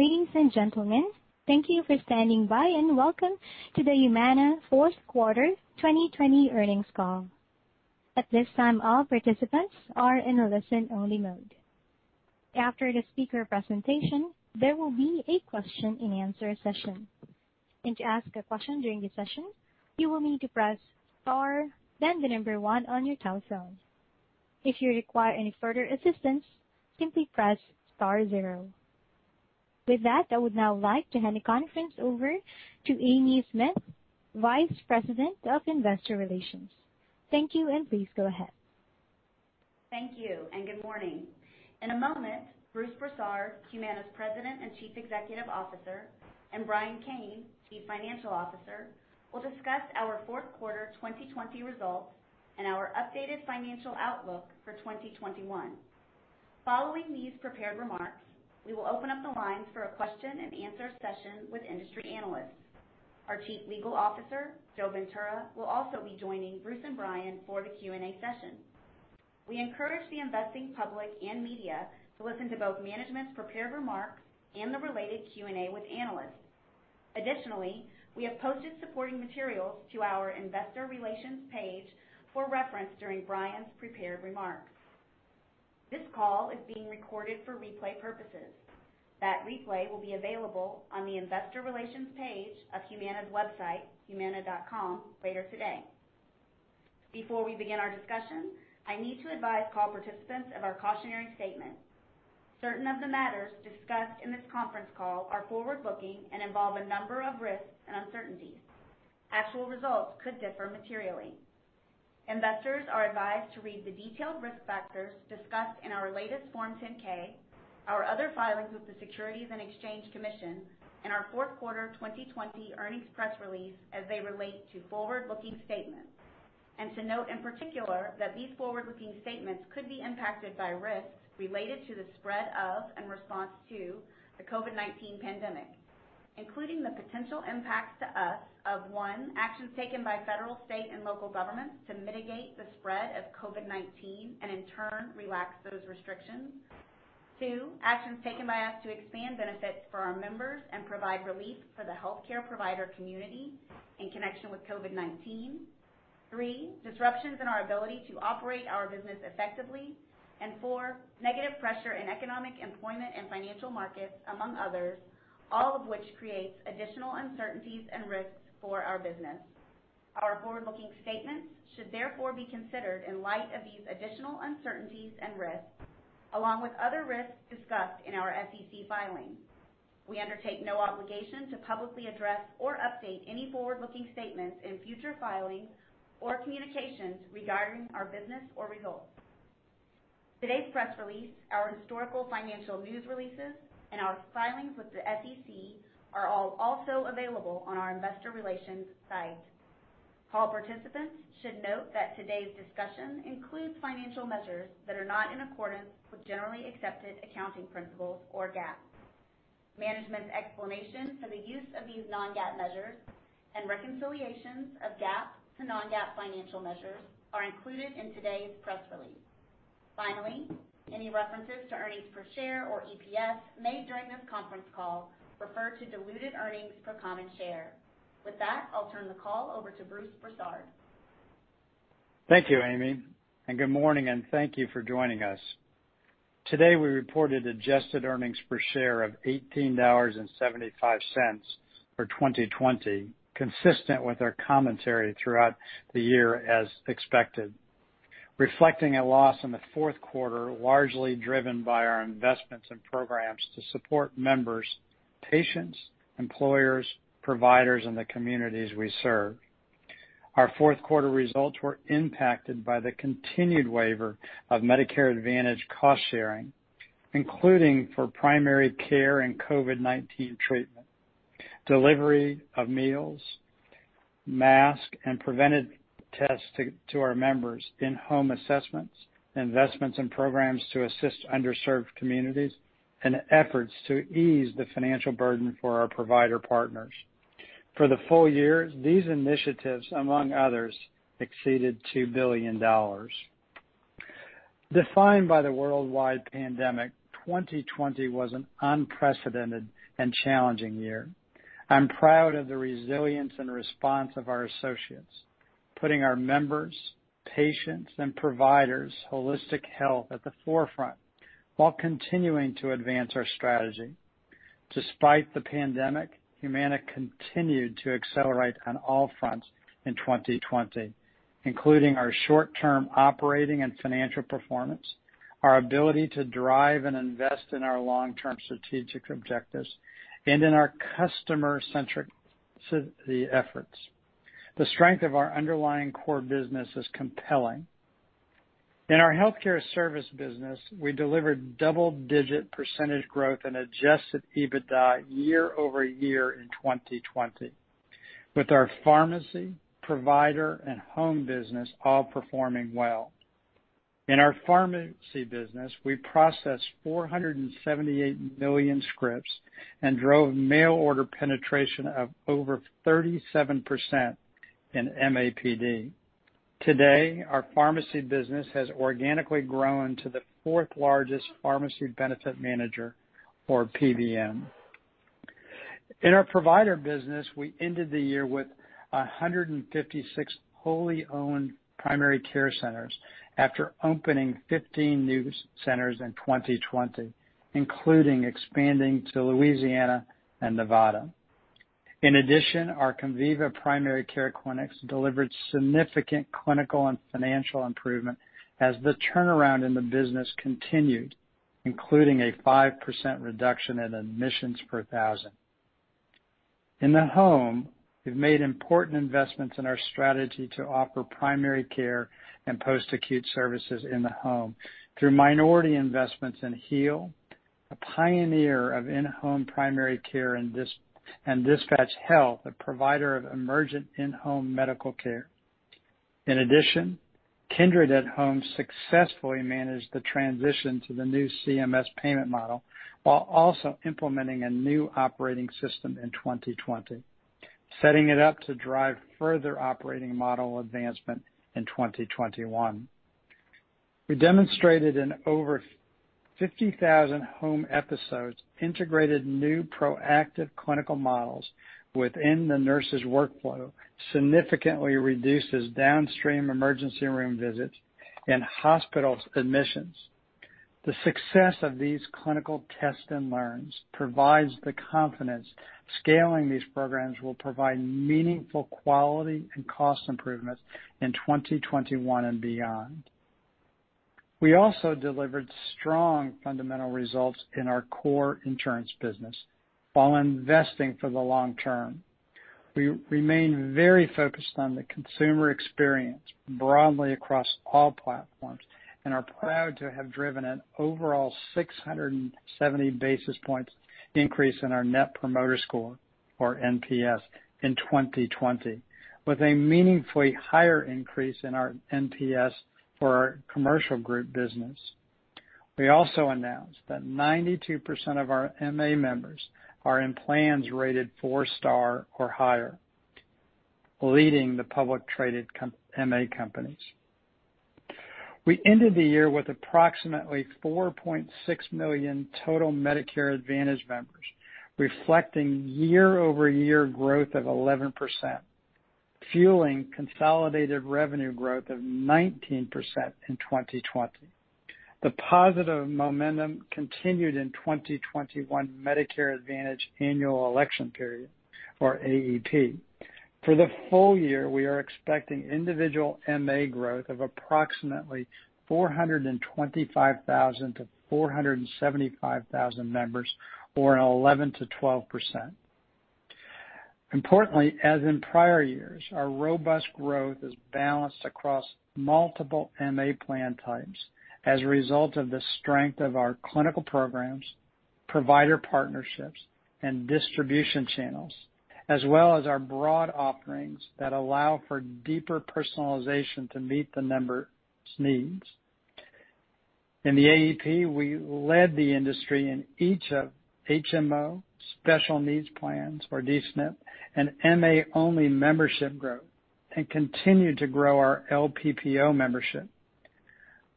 Ladies and gentlemen, thank you for standing by, and welcome to the Humana fourth quarter 2020 earnings call. At this time, all participants are in a listen-only mode. After the speaker presentation, there will be a question-and-answer session, and to ask a question during the session, you will need to press star, then the number one on your telephone. If you require any further assistance, simply press star zero. With that, I would now like to hand the conference over to Amy Smith, Vice President of Investor Relations. Thank you, and please go ahead. Thank you. Good morning. In a moment, Bruce Broussard, Humana's President and Chief Executive Officer, and Brian Kane, Chief Financial Officer, will discuss our fourth quarter 2020 results and our updated financial outlook for 2021. Following these prepared remarks, we will open up the lines for a question-and-answer session with industry analysts. Our Chief Legal Officer, Joe Ventura, will also be joining Bruce and Brian for the Q&A session. We encourage the investing public and media to listen to both management's prepared remarks and the related Q&A with analysts. Additionally, we have posted supporting materials to our investor relations page for reference during Brian's prepared remarks. This call is being recorded for replay purposes. That replay will be available on the investor relations page of Humana's website, humana.com, later today. Before we begin our discussion, I need to advise call participants of our cautionary statement. Certain of the matters discussed in this conference call are forward-looking and involve a number of risks and uncertainties. Actual results could differ materially. Investors are advised to read the detailed risk factors discussed in our latest Form 10-K, our other filings with the Securities and Exchange Commission, and our fourth quarter 2020 earnings press release as they relate to forward-looking statements, and to note in particular that these forward-looking statements could be impacted by risks related to the spread of and response to the COVID-19 pandemic, including the potential impacts to us of, one, actions taken by federal, state, and local governments to mitigate the spread of COVID-19, and in turn, relax those restrictions. Two, actions taken by us to expand benefits for our members and provide relief for the healthcare provider community in connection with COVID-19. Three, disruptions in our ability to operate our business effectively. Four, negative pressure in economic employment and financial markets, among others, all of which creates additional uncertainties and risks for our business. Our forward-looking statements should therefore be considered in light of these additional uncertainties and risks, along with other risks discussed in our SEC filings. We undertake no obligation to publicly address or update any forward-looking statements in future filings or communications regarding our business or results. Today's press release, our historical financial news releases, and our filings with the SEC are all also available on our investor relations site. Call participants should note that today's discussion includes financial measures that are not in accordance with generally accepted accounting principles, or GAAP. Management's explanation for the use of these non-GAAP measures and reconciliations of GAAP to non-GAAP financial measures are included in today's press release. Finally, any references to earnings per share or EPS made during this conference call refer to diluted earnings per common share. With that, I'll turn the call over to Bruce Broussard. Thank you, Amy, and good morning, and thank you for joining us. Today we reported adjusted earnings per share of $18.75 for 2020, consistent with our commentary throughout the year as expected, reflecting a loss in the fourth quarter, largely driven by our investments and programs to support members, patients, employers, providers, and the communities we serve. Our fourth quarter results were impacted by the continued waiver of Medicare Advantage cost-sharing, including for primary care and COVID-19 treatment, delivery of meals, masks, and preventive tests to our members, in-home assessments, investments in programs to assist underserved communities, and efforts to ease the financial burden for our provider partners. For the full year, these initiatives, among others, exceeded $2 billion. Defined by the worldwide pandemic, 2020 was an unprecedented and challenging year. I'm proud of the resilience and response of our associates, putting our members, patients, and providers' holistic health at the forefront while continuing to advance our strategy. Despite the pandemic, Humana continued to accelerate on all fronts in 2020, including our short-term operating and financial performance, our ability to drive and invest in our long-term strategic objectives, and in our customer-centricity efforts. The strength of our underlying core business is compelling. In our healthcare service business, we delivered double-digit percentage growth in adjusted EBITDA year-over-year in 2020, with our pharmacy, provider, and home business all performing well. In our pharmacy business, we processed 478 million scripts and drove mail order penetration of over 37% in MAPD. Today, our pharmacy business has organically grown to the fourth largest pharmacy benefit manager, or PBM. In our provider business, we ended the year with 156 wholly owned primary care centers after opening 15 new centers in 2020, including expanding to Louisiana and Nevada. In addition, our Conviva primary care clinics delivered significant clinical and financial improvement as the turnaround in the business continued, including a 5% reduction in admissions per thousand. In the home, we've made important investments in our strategy to offer primary care and post-acute services in the home through minority investments in Heal, a pioneer of in-home primary care, and DispatchHealth, a provider of emergent in-home medical care. In addition, Kindred at Home successfully managed the transition to the new CMS payment model while also implementing a new operating system in 2020, setting it up to drive further operating model advancement in 2021. We demonstrated in over 50,000 home episodes, integrated new proactive clinical models within the nurse's workflow, significantly reduces downstream emergency room visits and hospital admissions. The success of these clinical test and learns provides the confidence scaling these programs will provide meaningful quality and cost improvements in 2021 and beyond. We also delivered strong fundamental results in our core insurance business while investing for the long term. We remain very focused on the consumer experience broadly across all platforms and are proud to have driven an overall 670 basis points increase in our net promoter score, or NPS, in 2020, with a meaningfully higher increase in our NPS for our commercial group business. We also announced that 92% of our MA members are in plans rated 4 star or higher, leading the public traded MA companies. We ended the year with approximately 4.6 million total Medicare Advantage members, reflecting year-over-year growth of 11%, fueling consolidated revenue growth of 19% in 2020. The positive momentum continued in 2021 Medicare Advantage Annual Election Period, or AEP. For the full year, we are expecting individual MA growth of approximately 425,000-475,000 members or 11%-12%. Importantly, as in prior years, our robust growth is balanced across multiple MA plan types as a result of the strength of our clinical programs, provider partnerships, and distribution channels, as well as our broad offerings that allow for deeper personalization to meet the members' needs. In the AEP, we led the industry in each of HMO, special needs plans or D-SNP, and MA-only membership growth and continued to grow our LPPO membership.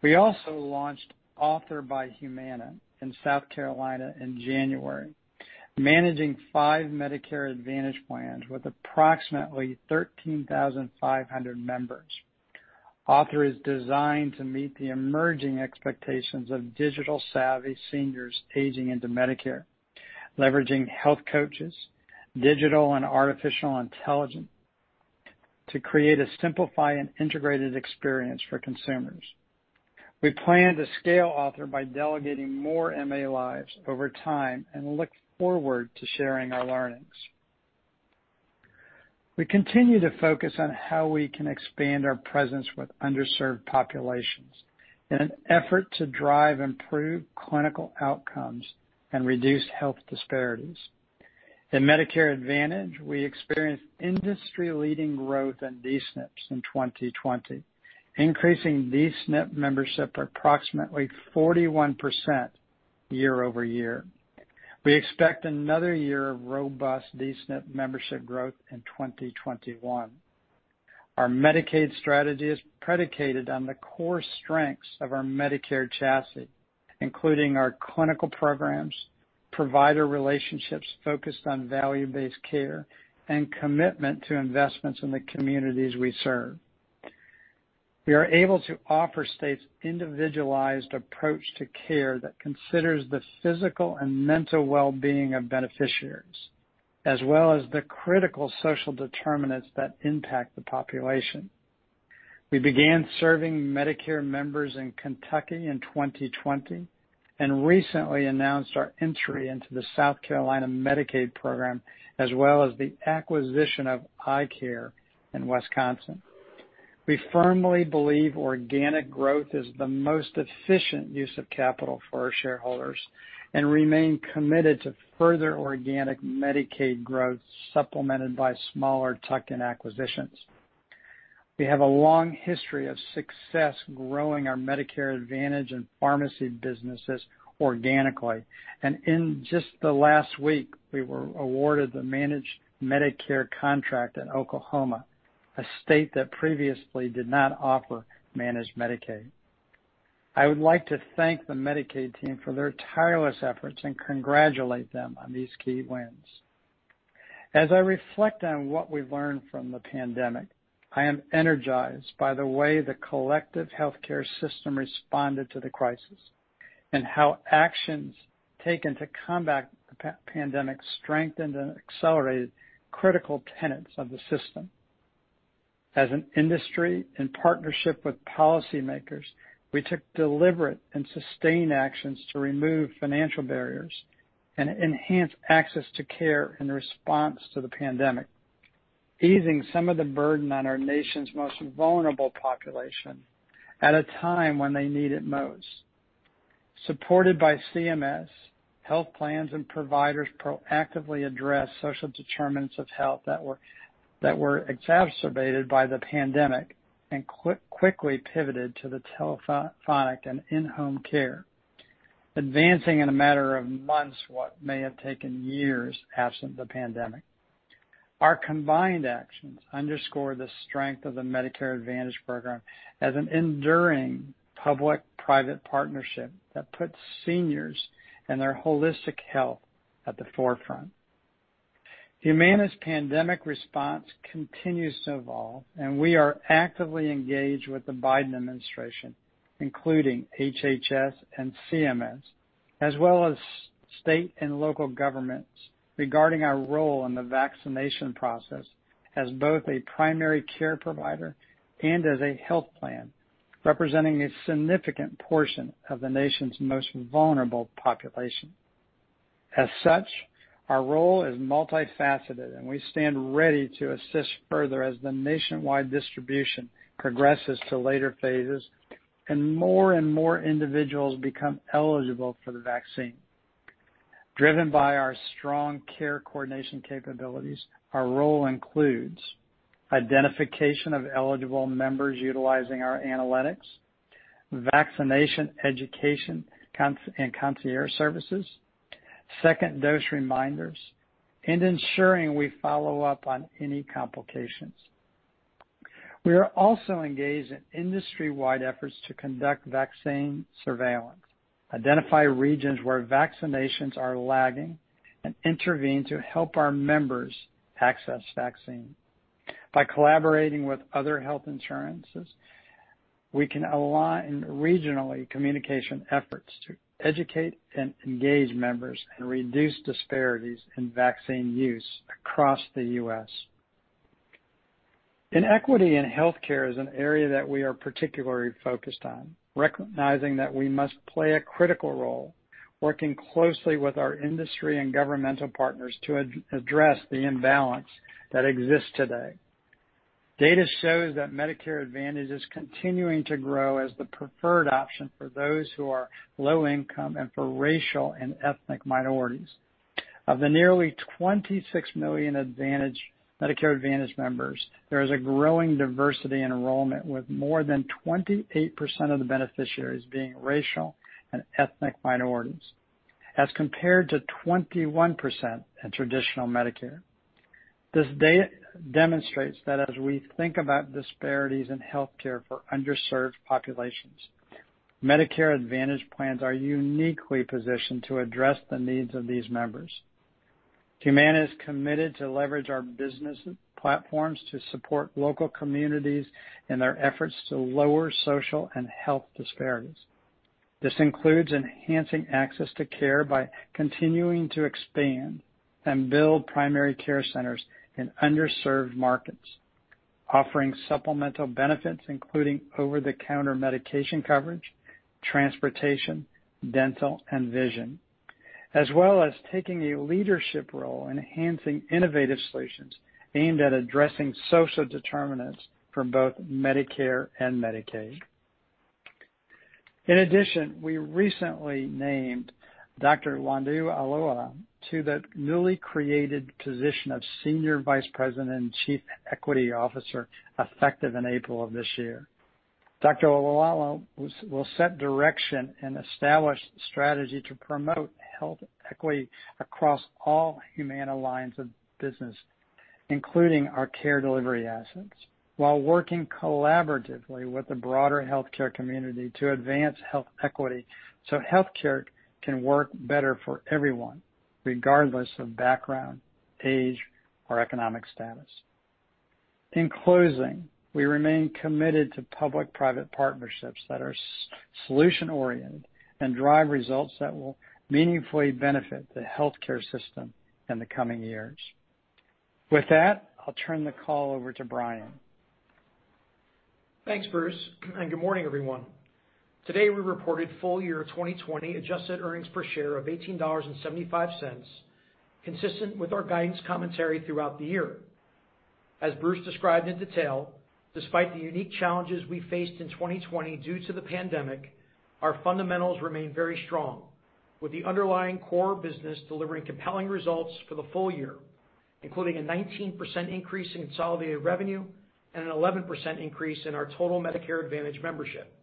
We also launched Author by Humana in South Carolina in January, managing five Medicare Advantage plans with approximately 13,500 members. Author is designed to meet the emerging expectations of digital-savvy seniors aging into Medicare, leveraging health coaches, digital and artificial intelligence to create a simplified and integrated experience for consumers. We plan to scale Author by delegating more MA lives over time and look forward to sharing our learnings. We continue to focus on how we can expand our presence with underserved populations in an effort to drive improved clinical outcomes and reduce health disparities. In Medicare Advantage, we experienced industry-leading growth in D-SNPs in 2020, increasing D-SNP membership approximately 41% year-over-year. We expect another year of robust D-SNP membership growth in 2021. Our Medicaid strategy is predicated on the core strengths of our Medicare chassis, including our clinical programs, provider relationships focused on value-based care, and commitment to investments in the communities we serve. We are able to offer states individualized approach to care that considers the physical and mental wellbeing of beneficiaries, as well as the critical social determinants that impact the population. We began serving Medicare members in Kentucky in 2020 and recently announced our entry into the South Carolina Medicaid program, as well as the acquisition of iCare in Wisconsin. We firmly believe organic growth is the most efficient use of capital for our shareholders and remain committed to further organic Medicaid growth, supplemented by smaller tuck-in acquisitions. We have a long history of success growing our Medicare Advantage and pharmacy businesses organically, and in just the last week, we were awarded the managed Medicare contract in Oklahoma, a state that previously did not offer managed Medicaid. I would like to thank the Medicaid team for their tireless efforts and congratulate them on these key wins. As I reflect on what we've learned from the pandemic, I am energized by the way the collective healthcare system responded to the crisis, and how actions taken to combat the pandemic strengthened and accelerated critical tenets of the system. As an industry in partnership with policymakers, we took deliberate and sustained actions to remove financial barriers and enhance access to care in response to the pandemic, easing some of the burden on our nation's most vulnerable population at a time when they need it most. Supported by CMS, health plans and providers proactively address social determinants of health that were exacerbated by the pandemic and quickly pivoted to the telephonic and in-home care, advancing in a matter of months what may have taken years absent the pandemic. Our combined actions underscore the strength of the Medicare Advantage program as an enduring public-private partnership that puts seniors and their holistic health at the forefront. Humana's pandemic response continues to evolve, and we are actively engaged with the Biden administration, including HHS and CMS, as well as state and local governments regarding our role in the vaccination process as both a primary care provider and as a health plan, representing a significant portion of the nation's most vulnerable population. As such, our role is multifaceted, and we stand ready to assist further as the nationwide distribution progresses to later phases and more and more individuals become eligible for the vaccine. Driven by our strong care coordination capabilities, our role includes identification of eligible members utilizing our analytics, vaccination education and concierge services, second-dose reminders, and ensuring we follow up on any complications. We are also engaged in industry-wide efforts to conduct vaccine surveillance, identify regions where vaccinations are lagging, and intervene to help our members access vaccine. By collaborating with other health insurances, we can align regionally communication efforts to educate and engage members and reduce disparities in vaccine use across the U.S. In equity in healthcare is an area that we are particularly focused on, recognizing that we must play a critical role working closely with our industry and governmental partners to address the imbalance that exists today. Data shows that Medicare Advantage is continuing to grow as the preferred option for those who are low income and for racial and ethnic minorities. Of the nearly 26 million Medicare Advantage members, there is a growing diversity in enrollment, with more than 28% of the beneficiaries being racial and ethnic minorities, as compared to 21% in traditional Medicare. This data demonstrates that as we think about disparities in healthcare for underserved populations, Medicare Advantage plans are uniquely positioned to address the needs of these members. Humana is committed to leverage our business platforms to support local communities in their efforts to lower social and health disparities. This includes enhancing access to care by continuing to expand and build primary care centers in underserved markets, offering supplemental benefits including over-the-counter medication coverage, transportation, dental, and vision, as well as taking a leadership role in enhancing innovative solutions aimed at addressing social determinants for both Medicare and Medicaid. In addition, we recently named Dr. Nwando Olayiwola to the newly created position of Senior Vice President and Chief Equity Officer, effective in April of this year. Dr. Olayiwola will set direction and establish strategy to promote health equity across all Humana lines of business, including our care delivery assets, while working collaboratively with the broader healthcare community to advance health equity, so healthcare can work better for everyone, regardless of background, age, or economic status. In closing, we remain committed to public-private partnerships that are solution-oriented and drive results that will meaningfully benefit the healthcare system in the coming years. With that, I'll turn the call over to Brian. Thanks, Bruce, and good morning, everyone. Today, we reported full year 2020 adjusted earnings per share of $18.75, consistent with our guidance commentary throughout the year. As Bruce described in detail, despite the unique challenges we faced in 2020 due to the pandemic, our fundamentals remain very strong, with the underlying core business delivering compelling results for the full year, including a 19% increase in consolidated revenue and an 11% increase in our total Medicare Advantage membership.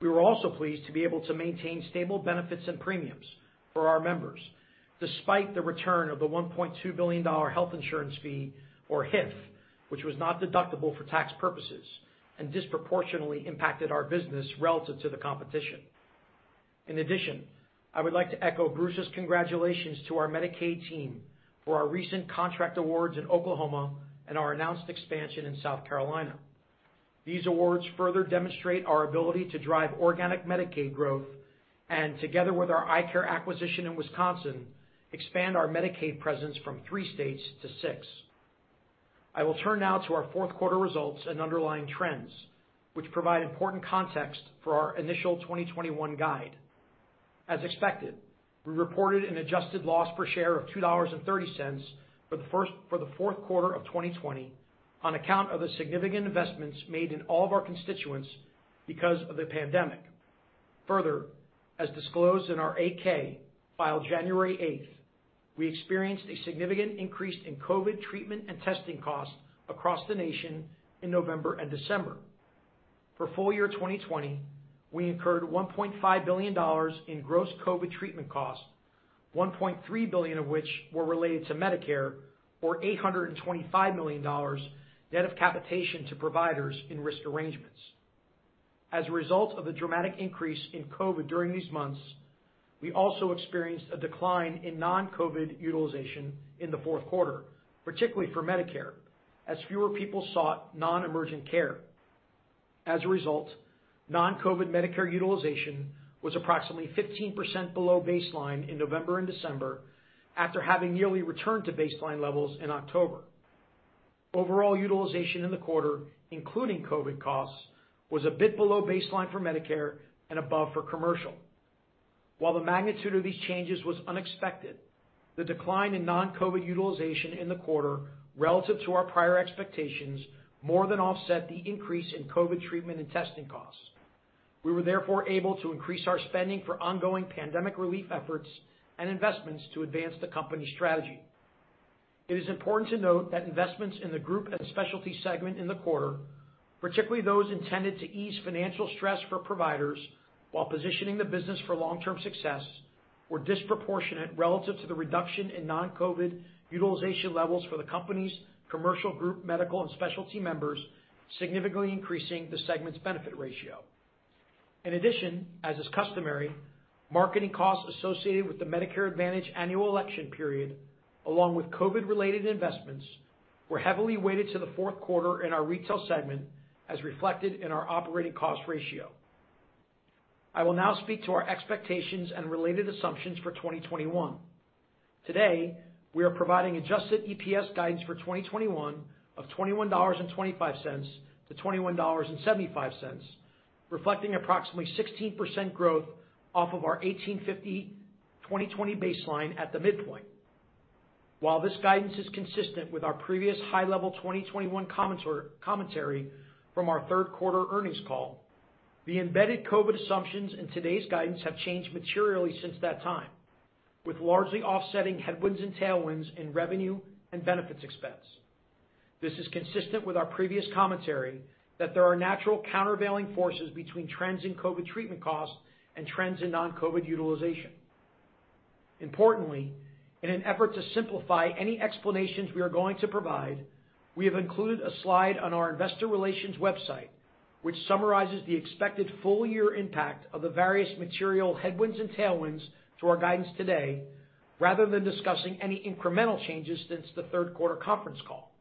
We were also pleased to be able to maintain stable benefits and premiums for our members, despite the return of the $1.2 billion Health Insurance Fee, or HIF, which was not deductible for tax purposes and disproportionately impacted our business relative to the competition. I would like to echo Bruce's congratulations to our Medicaid team for our recent contract awards in Oklahoma and our announced expansion in South Carolina. These awards further demonstrate our ability to drive organic Medicaid growth and together with our iCare acquisition in Wisconsin, expand our Medicaid presence from three states to six. I will turn now to our fourth quarter results and underlying trends, which provide important context for our initial 2021 guide. As expected, we reported an adjusted loss per share of $2.30 for the fourth quarter of 2020, on account of the significant investments made in all of our constituents because of the pandemic. As disclosed in our 8-K filed January 8th, we experienced a significant increase in COVID treatment and testing costs across the nation in November and December. For full year 2020, we incurred $1.5 billion in gross COVID treatment costs, $1.3 billion of which were related to Medicare or $825 million net of capitation to providers in risk arrangements. As a result of the dramatic increase in COVID during these months, we also experienced a decline in non-COVID utilization in the fourth quarter, particularly for Medicare, as fewer people sought non-emergent care. As a result, non-COVID Medicare utilization was approximately 15% below baseline in November and December after having nearly returned to baseline levels in October. Overall utilization in the quarter, including COVID costs, was a bit below baseline for Medicare and above for commercial. While the magnitude of these changes was unexpected, the decline in non-COVID utilization in the quarter relative to our prior expectations more than offset the increase in COVID treatment and testing costs. We were therefore able to increase our spending for ongoing pandemic relief efforts and investments to advance the company strategy. It is important to note that investments in the group and specialty segment in the quarter, particularly those intended to ease financial stress for providers while positioning the business for long-term success, were disproportionate relative to the reduction in non-COVID utilization levels for the company's commercial group, medical and specialty members, significantly increasing the segment's benefit ratio. In addition, as is customary, marketing costs associated with the Medicare Advantage Annual Election Period, along with COVID related investments, were heavily weighted to the fourth quarter in our retail segment as reflected in our operating cost ratio. I will now speak to our expectations and related assumptions for 2021. Today, we are providing adjusted EPS guidance for 2021 of $21.25-$21.75, reflecting approximately 16% growth off of our $18.50, 2020 baseline at the midpoint. While this guidance is consistent with our previous high level 2021 commentary from our third quarter earnings call, the embedded COVID assumptions in today's guidance have changed materially since that time, with largely offsetting headwinds and tailwinds in revenue and benefits expense. This is consistent with our previous commentary that there are natural countervailing forces between trends in COVID treatment costs and trends in non-COVID utilization. Importantly, in an effort to simplify any explanations we are going to provide, we have included a slide on our investor relations website, which summarizes the expected full year impact of the various material headwinds and tailwinds to our guidance today, rather than discussing any incremental changes since the third quarter conference call.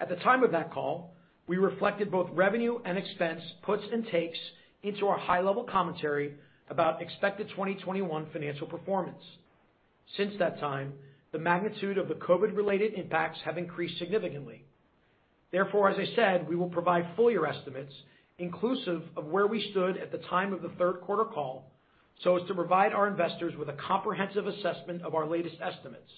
At the time of that call, we reflected both revenue and expense puts and takes into our high level commentary about expected 2021 financial performance. Since that time, the magnitude of the COVID-related impacts have increased significantly. As I said, we will provide full-year estimates inclusive of where we stood at the time of the third quarter call, so as to provide our investors with a comprehensive assessment of our latest estimates.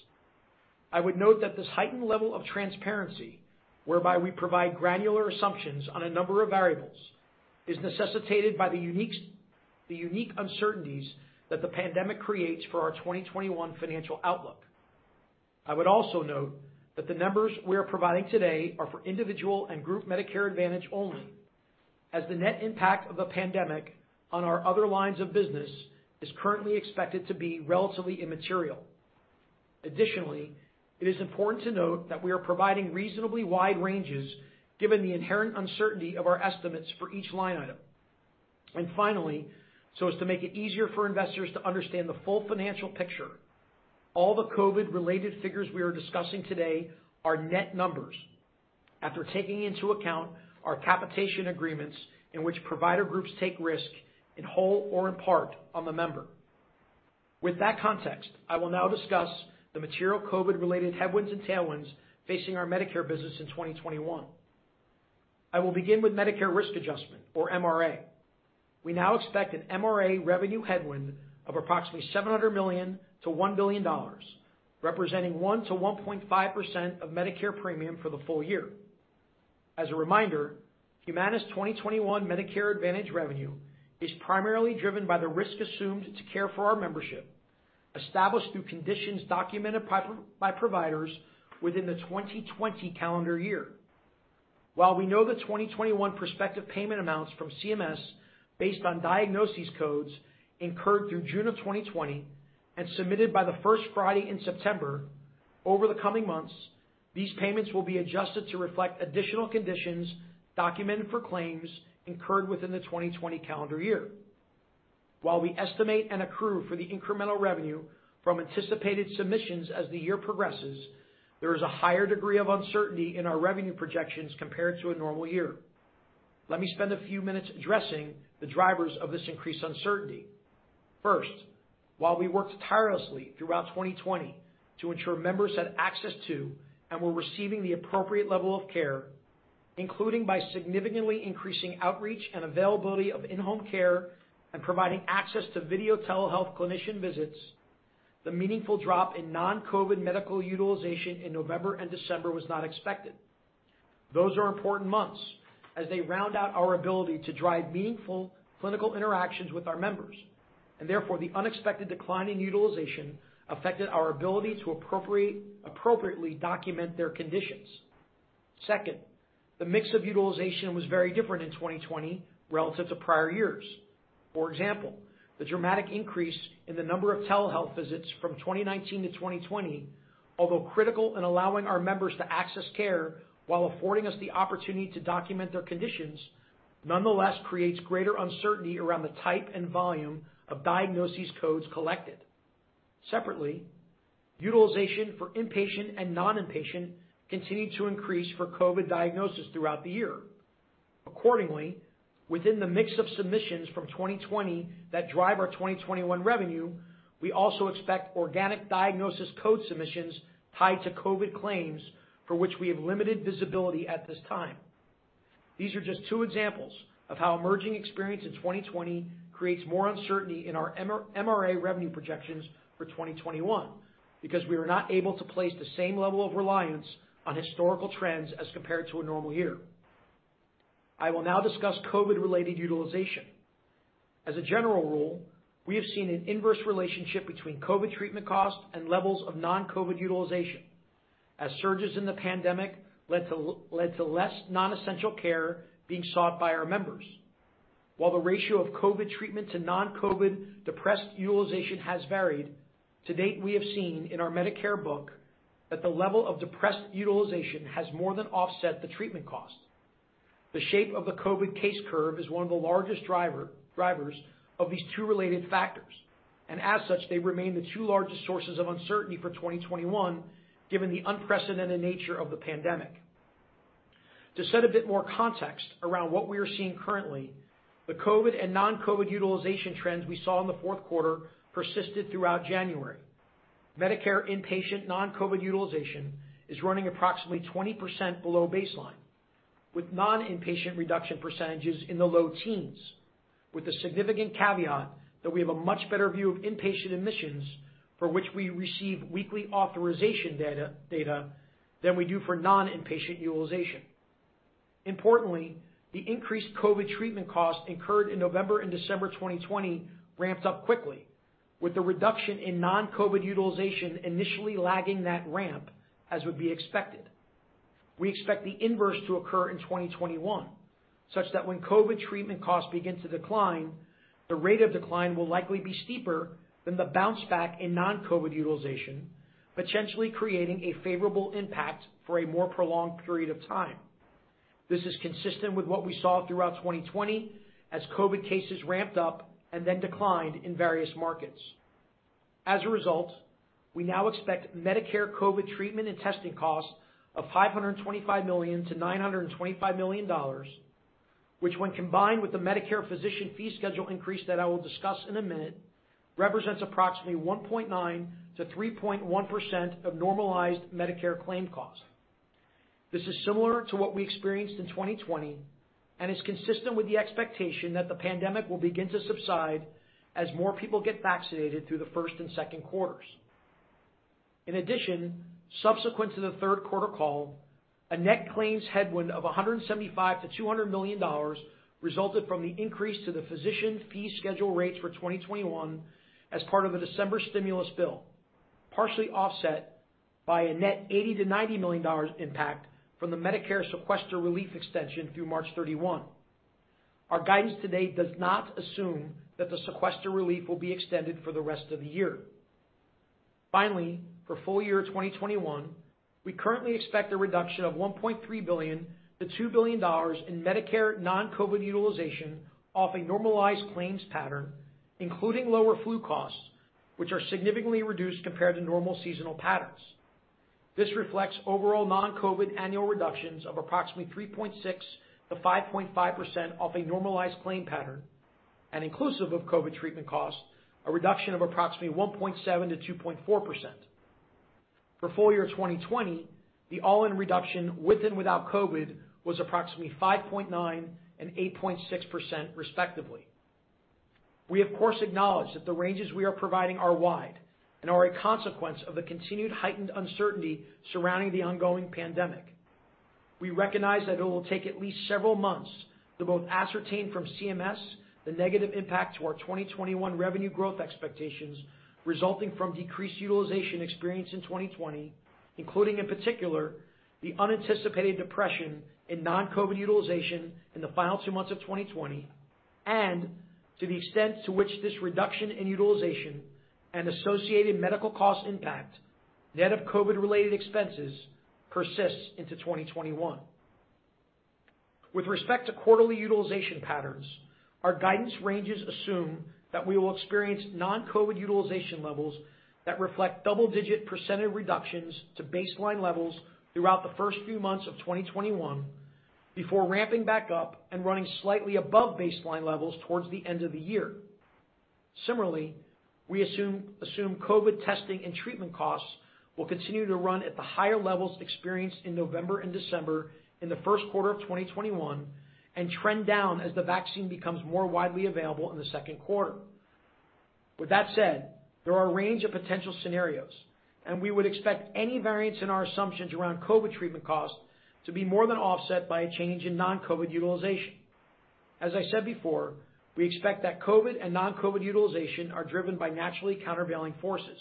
I would note that this heightened level of transparency, whereby we provide granular assumptions on a number of variables, is necessitated by the unique uncertainties that the pandemic creates for our 2021 financial outlook. I would also note that the numbers we are providing today are for individual and group Medicare Advantage only, as the net impact of the pandemic on our other lines of business is currently expected to be relatively immaterial. Additionally, it is important to note that we are providing reasonably wide ranges given the inherent uncertainty of our estimates for each line item. Finally, so as to make it easier for investors to understand the full financial picture, all the COVID related figures we are discussing today are net numbers. After taking into account our capitation agreements in which provider groups take risk in whole or in part on the member. With that context, I will now discuss the material COVID related headwinds and tailwinds facing our Medicare business in 2021. I will begin with Medicare Risk Adjustment or MRA. We now expect an MRA revenue headwind of approximately $700 million-$1 billion, representing 1%-1.5% of Medicare premium for the full year. As a reminder, Humana's 2021 Medicare Advantage revenue is primarily driven by the risk assumed to care for our membership, established through conditions documented by providers within the 2020 calendar year. While we know the 2021 prospective payment amounts from CMS based on diagnoses codes incurred through June of 2020 and submitted by the first Friday in September. Over the coming months, these payments will be adjusted to reflect additional conditions documented for claims incurred within the 2020 calendar year. While we estimate and accrue for the incremental revenue from anticipated submissions as the year progresses, there is a higher degree of uncertainty in our revenue projections compared to a normal year. Let me spend a few minutes addressing the drivers of this increased uncertainty. First, while we worked tirelessly throughout 2020 to ensure members had access to and were receiving the appropriate level of care, including by significantly increasing outreach and availability of in-home care and providing access to video telehealth clinician visits, the meaningful drop in non-COVID medical utilization in November and December was not expected. Those are important months as they round out our ability to drive meaningful clinical interactions with our members, and therefore, the unexpected decline in utilization affected our ability to appropriately document their conditions. Second, the mix of utilization was very different in 2020 relative to prior years. For example, the dramatic increase in the number of telehealth visits from 2019 to 2020, although critical in allowing our members to access care while affording us the opportunity to document their conditions, nonetheless creates greater uncertainty around the type and volume of diagnosis codes collected. Separately, utilization for inpatient and non-inpatient continued to increase for COVID diagnosis throughout the year. Accordingly, within the mix of submissions from 2020 that drive our 2021 revenue, we also expect organic diagnosis code submissions tied to COVID claims for which we have limited visibility at this time. These are just two examples of how emerging experience in 2020 creates more uncertainty in our MRA revenue projections for 2021, because we were not able to place the same level of reliance on historical trends as compared to a normal year. I will now discuss COVID-related utilization. As a general rule, we have seen an inverse relationship between COVID treatment cost and levels of non-COVID utilization, as surges in the pandemic led to less non-essential care being sought by our members. While the ratio of COVID treatment to non-COVID depressed utilization has varied, to date, we have seen in our Medicare book that the level of depressed utilization has more than offset the treatment cost. The shape of the COVID case curve is one of the largest drivers of these two related factors, and as such, they remain the two largest sources of uncertainty for 2021, given the unprecedented nature of the pandemic. To set a bit more context around what we are seeing currently, the COVID and non-COVID utilization trends we saw in the fourth quarter persisted throughout January. Medicare inpatient non-COVID utilization is running approximately 20% below baseline, with non-inpatient reduction percentages in the low teens, with the significant caveat that we have a much better view of inpatient admissions for which we receive weekly authorization data than we do for non-inpatient utilization. Importantly, the increased COVID treatment cost incurred in November and December 2020 ramped up quickly, with the reduction in non-COVID utilization initially lagging that ramp, as would be expected. We expect the inverse to occur in 2021, such that when COVID treatment costs begin to decline, the rate of decline will likely be steeper than the bounce back in non-COVID utilization, potentially creating a favorable impact for a more prolonged period of time. This is consistent with what we saw throughout 2020 as COVID cases ramped up and then declined in various markets. As a result, we now expect Medicare COVID treatment and testing costs of $525 million-$925 million, which when combined with the Medicare physician fee schedule increase that I will discuss in a minute, represents approximately 1.9%-3.1% of normalized Medicare claim costs. This is similar to what we experienced in 2020 and is consistent with the expectation that the pandemic will begin to subside as more people get vaccinated through the first and second quarters. In addition, subsequent to the third quarter call, a net claims headwind of $175 million-$200 million resulted from the increase to the physician fee schedule rates for 2021 as part of the December stimulus bill, partially offset by a net $80 million-$90 million impact from the Medicare sequester relief extension through March 31. Our guidance to date does not assume that the sequester relief will be extended for the rest of the year. Finally, for full year 2021, we currently expect a reduction of $1.3 billion-$2 billion in Medicare non-COVID utilization off a normalized claims pattern, including lower flu costs, which are significantly reduced compared to normal seasonal patterns. This reflects overall non-COVID annual reductions of approximately 3.6%-5.5% off a normalized claim pattern and inclusive of COVID treatment costs, a reduction of approximately 1.7%-2.4%. For full year 2020, the all-in reduction with and without COVID was approximately 5.9% and 8.6% respectively. We, of course, acknowledge that the ranges we are providing are wide and are a consequence of the continued heightened uncertainty surrounding the ongoing pandemic. We recognize that it will take at least several months to both ascertain from CMS the negative impact to our 2021 revenue growth expectations resulting from decreased utilization experienced in 2020, including, in particular, the unanticipated depression in non-COVID utilization in the final two months of 2020, and to the extent to which this reduction in utilization and associated medical cost impact, net of COVID related expenses, persists into 2021. With respect to quarterly utilization patterns, our guidance ranges assume that we will experience non-COVID utilization levels that reflect double-digit percentage reductions to baseline levels throughout the first few months of 2021, before ramping back up and running slightly above baseline levels towards the end of the year. Similarly, we assume COVID testing and treatment costs will continue to run at the higher levels experienced in November and December in the first quarter of 2021, and trend down as the vaccine becomes more widely available in the second quarter. With that said, there are a range of potential scenarios, and we would expect any variance in our assumptions around COVID treatment costs to be more than offset by a change in non-COVID utilization. As I said before, we expect that COVID and non-COVID utilization are driven by naturally countervailing forces.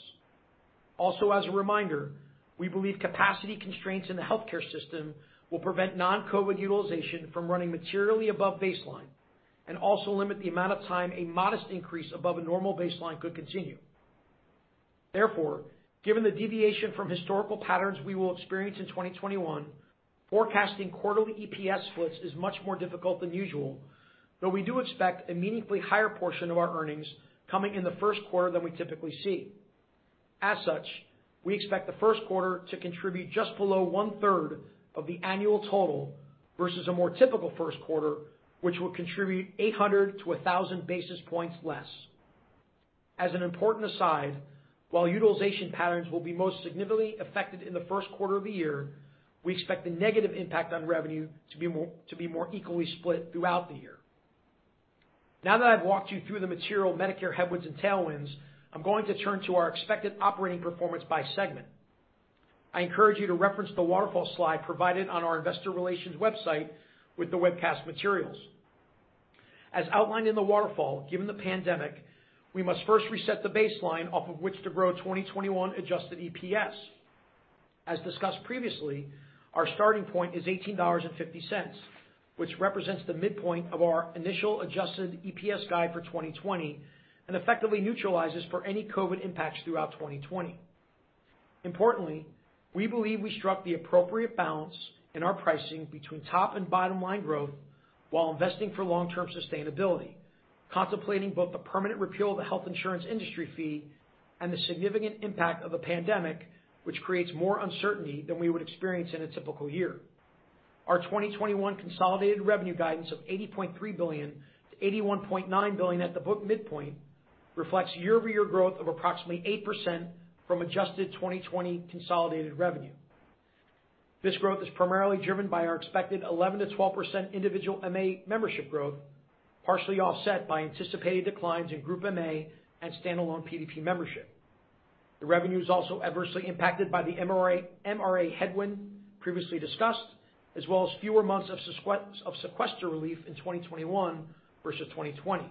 Also, as a reminder, we believe capacity constraints in the healthcare system will prevent non-COVID utilization from running materially above baseline and also limit the amount of time a modest increase above a normal baseline could continue. Therefore, given the deviation from historical patterns we will experience in 2021, forecasting quarterly EPS splits is much more difficult than usual, though we do expect a meaningfully higher portion of our earnings coming in the first quarter than we typically see. As such, we expect the first quarter to contribute just below 1/3 of the annual total versus a more typical first quarter, which will contribute 800 basis points-1,000 basis points less. As an important aside, while utilization patterns will be most significantly affected in the first quarter of the year, we expect the negative impact on revenue to be more equally split throughout the year. Now that I've walked you through the material Medicare headwinds and tailwinds, I'm going to turn to our expected operating performance by segment. I encourage you to reference the waterfall slide provided on our investor relations website with the webcast materials. As outlined in the waterfall, given the pandemic, we must first reset the baseline off of which to grow 2021 adjusted EPS. As discussed previously, our starting point is $18.50, which represents the midpoint of our initial adjusted EPS guide for 2020 and effectively neutralizes for any COVID impacts throughout 2020. Importantly, we believe we struck the appropriate balance in our pricing between top and bottom line growth while investing for long term sustainability, contemplating both the permanent repeal of the Health Insurance Fee and the significant impact of a pandemic, which creates more uncertainty than we would experience in a typical year. Our 2021 consolidated revenue guidance of $80.3 billion-$81.9 billion at the book midpoint reflects year-over-year growth of approximately 8% from adjusted 2020 consolidated revenue. This growth is primarily driven by our expected 11%-12% individual MA membership growth, partially offset by anticipated declines in group MA and standalone PDP membership. The revenue is also adversely impacted by the MRA headwind previously discussed, as well as fewer months of sequester relief in 2021 versus 2020.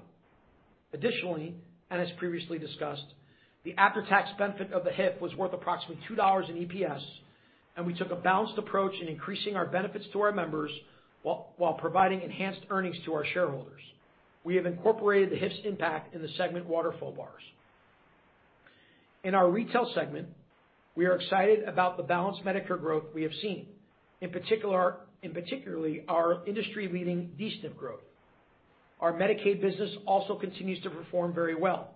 As previously discussed, the after-tax benefit of the HIF was worth approximately $2 in EPS, and we took a balanced approach in increasing our benefits to our members while providing enhanced earnings to our shareholders. We have incorporated the HIF's impact in the segment waterfall bars. Our retail segment, we are excited about the balanced Medicare growth we have seen, in particular our industry leading D-SNP growth. Our Medicaid business also continues to perform very well,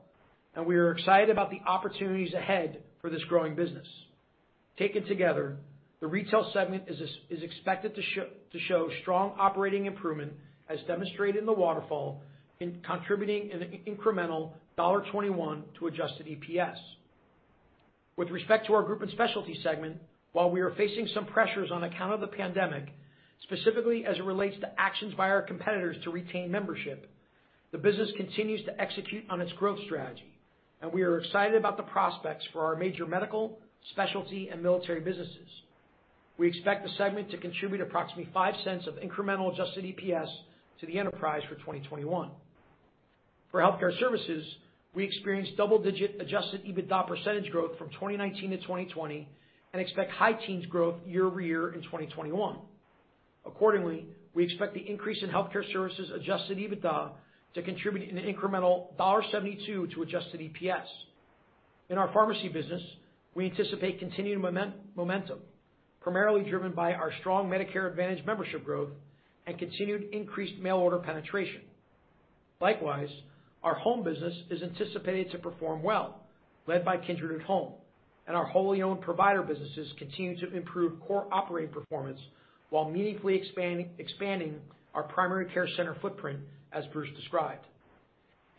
and we are excited about the opportunities ahead for this growing business. Taken together, the Retail segment is expected to show strong operating improvement, as demonstrated in the waterfall, in contributing an incremental $1.21 to adjusted EPS. With respect to our Group and Specialty segment, while we are facing some pressures on account of the pandemic, specifically as it relates to actions by our competitors to retain membership, the business continues to execute on its growth strategy, and we are excited about the prospects for our major medical, specialty, and military businesses. We expect the segment to contribute approximately $0.05 of incremental adjusted EPS to the enterprise for 2021. For Healthcare Services, we experienced double-digit adjusted EBITDA percentage growth from 2019 to 2020 and expect high-teens growth year-over-year in 2021. Accordingly, we expect the increase in healthcare services adjusted EBITDA to contribute an incremental $1.72 to adjusted EPS. In our pharmacy business, we anticipate continued momentum, primarily driven by our strong Medicare Advantage membership growth and continued increased mail order penetration. Likewise, our home business is anticipated to perform well, led by Kindred at Home, and our wholly owned provider businesses continue to improve core operating performance while meaningfully expanding our primary care center footprint, as Bruce described.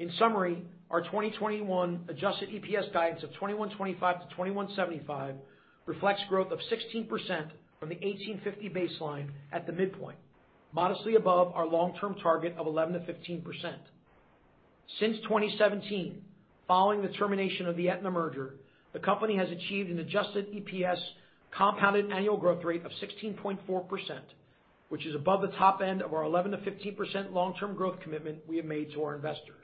In summary, our 2021 adjusted EPS guidance of $21.25-$21.75 reflects growth of 16% from the $18.50 baseline at the midpoint, modestly above our long term target of 11%-15%. Since 2017, following the termination of the Aetna merger, the company has achieved an adjusted EPS compounded annual growth rate of 16.4%, which is above the top end of our 11%-15% long term growth commitment we have made to our investors.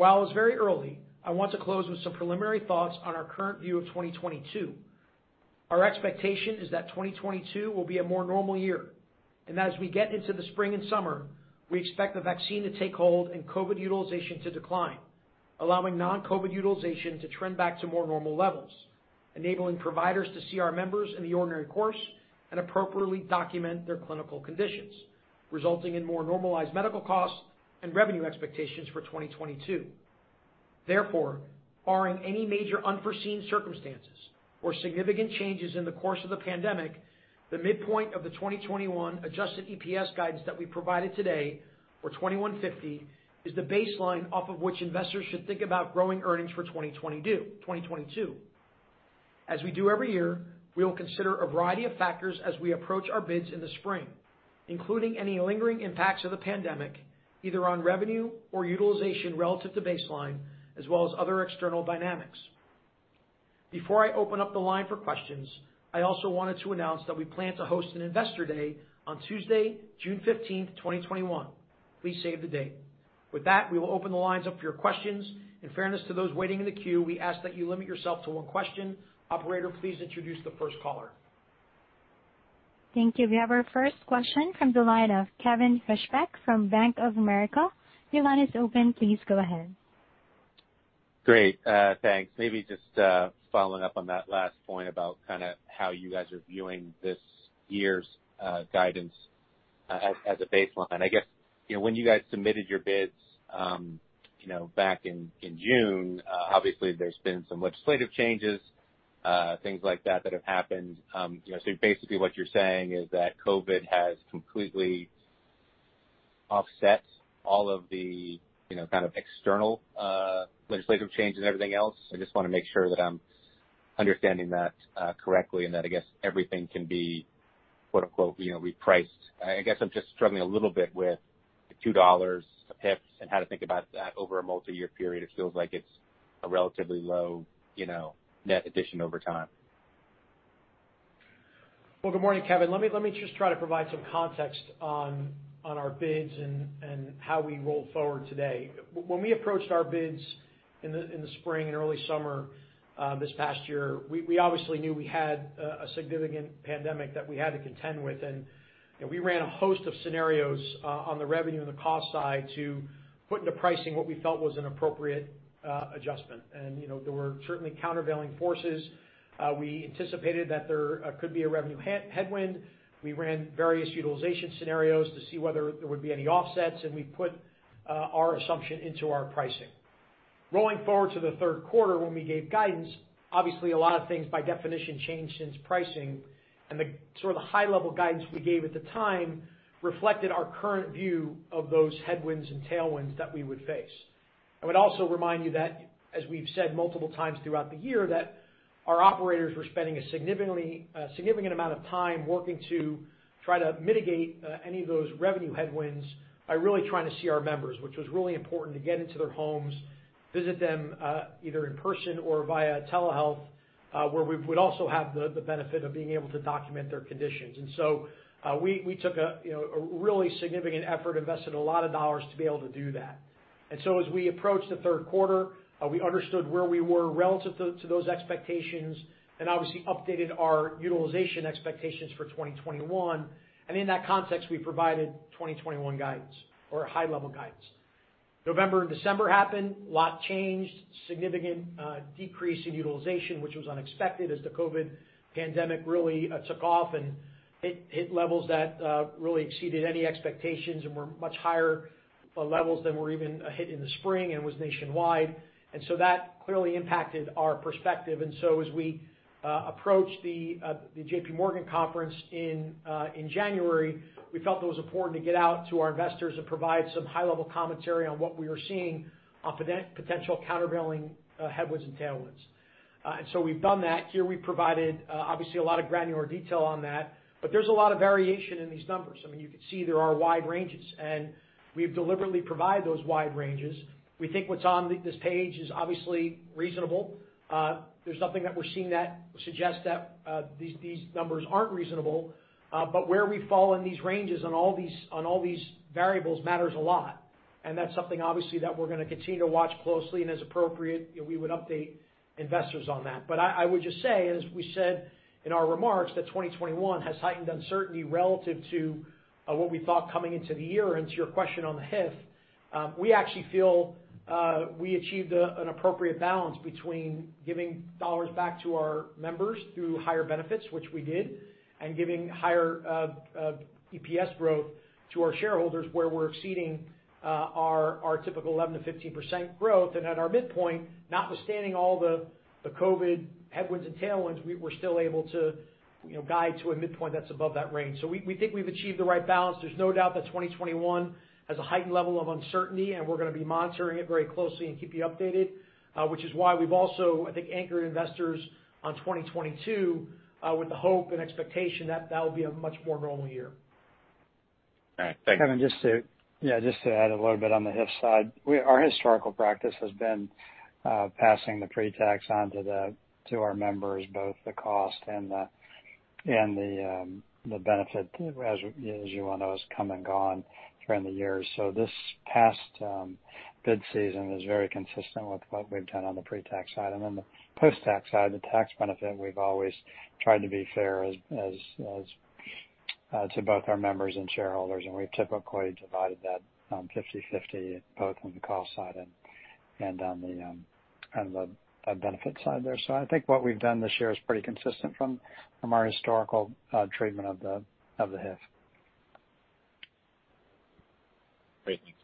It's very early, I want to close with some preliminary thoughts on our current view of 2022. Our expectation is that 2022 will be a more normal year, and as we get into the spring and summer, we expect the vaccine to take hold and COVID utilization to decline, allowing non-COVID utilization to trend back to more normal levels, enabling providers to see our members in the ordinary course and appropriately document their clinical conditions, resulting in more normalized medical costs and revenue expectations for 2022. Therefore, barring any major unforeseen circumstances or significant changes in the course of the pandemic, the midpoint of the 2021 adjusted EPS guidance that we provided today for 2021 is the baseline off of which investors should think about growing earnings for 2022. As we do every year, we will consider a variety of factors as we approach our bids in the spring, including any lingering impacts of the pandemic, either on revenue or utilization relative to baseline, as well as other external dynamics. Before I open up the line for questions, I also wanted to announce that we plan to host an Investor Day on Tuesday, June 15th, 2021. Please save the date. With that, we will open the lines up for your questions. In fairness to those waiting in the queue, we ask that you limit yourself to one question. Operator, please introduce the first caller. Thank you. We have our first question from the line of Kevin Fischbeck from Bank of America. Your line is open. Please go ahead. Great. Thanks. Maybe just following up on that last point about how you guys are viewing this year's guidance as a baseline. I guess, when you guys submitted your bids back in June, obviously there's been some legislative changes, things like that that have happened. Basically, what you're saying is that COVID has completely offset all of the kind of external legislative changes and everything else. I just want to make sure that I'm understanding that correctly and that, I guess everything can be "repriced." I guess I'm just struggling a little bit with the $2 HIF and how to think about that over a multi-year period. It feels like it's a relatively low net addition over time. Well, good morning, Kevin. Let me just try to provide some context on our bids and how we rolled forward today. When we approached our bids in the spring and early summer this past year, we obviously knew we had a significant pandemic that we had to contend with, and we ran a host of scenarios on the revenue and the cost side to put into pricing what we felt was an appropriate adjustment. There were certainly countervailing forces. We anticipated that there could be a revenue headwind. We ran various utilization scenarios to see whether there would be any offsets, and we put our assumption into our pricing. Rolling forward to the third quarter, when we gave guidance, obviously a lot of things by definition changed since pricing, and the high level guidance we gave at the time reflected our current view of those headwinds and tailwinds that we would face. I would also remind you that, as we've said multiple times throughout the year, that our operators were spending a significant amount of time working to try to mitigate any of those revenue headwinds by really trying to see our members, which was really important, to get into their homes, visit them either in person or via telehealth, where we would also have the benefit of being able to document their conditions. We took a really significant effort, invested a lot of dollars to be able to do that. As we approached the third quarter, we understood where we were relative to those expectations and obviously updated our utilization expectations for 2021. In that context, we provided 2021 guidance or high-level guidance. November and December happened, a lot changed, significant decrease in utilization, which was unexpected as the COVID pandemic really took off and hit levels that really exceeded any expectations and were much higher levels than were even hit in the spring and was nationwide. That clearly impacted our perspective. As we approached the JPMorgan conference in January, we felt it was important to get out to our investors and provide some high-level commentary on what we were seeing on potential countervailing headwinds and tailwinds. We've done that here. We provided, obviously, a lot of granular detail on that. There's a lot of variation in these numbers. I mean, you can see there are wide ranges, and we've deliberately provided those wide ranges. We think what's on this page is obviously reasonable. There's nothing that we're seeing that suggests that these numbers aren't reasonable. Where we fall in these ranges on all these variables matters a lot, and that's something, obviously, that we're going to continue to watch closely, and as appropriate, we would update investors on that. I would just say, as we said in our remarks, that 2021 has heightened uncertainty relative to what we thought coming into the year. To your question on the HIF, we actually feel we achieved an appropriate balance between giving dollars back to our members through higher benefits, which we did, and giving higher EPS growth to our shareholders, where we're exceeding our typical 11%-15% growth. At our midpoint, notwithstanding all the COVID headwinds and tailwinds, we were still able to guide to a midpoint that's above that range. We think we've achieved the right balance. There's no doubt that 2021 has a heightened level of uncertainty, and we're going to be monitoring it very closely and keep you updated, which is why we've also, I think, anchored investors on 2022 with the hope and expectation that that will be a much more normal year. All right. Thank you. Kevin, just to add a little bit on the HIF side. Our historical practice has been passing the pre-tax on to our members, both the cost and the benefit, as you well know, has come and gone during the years. This past bid season is very consistent with what we've done on the pre-tax side. The post-tax side, the tax benefit, we've always tried to be fair as to both our members and shareholders, and we've typically divided that 50/50, both on the cost side and on the benefit side there. I think what we've done this year is pretty consistent from our historical treatment of the HIF. Great. Thank you.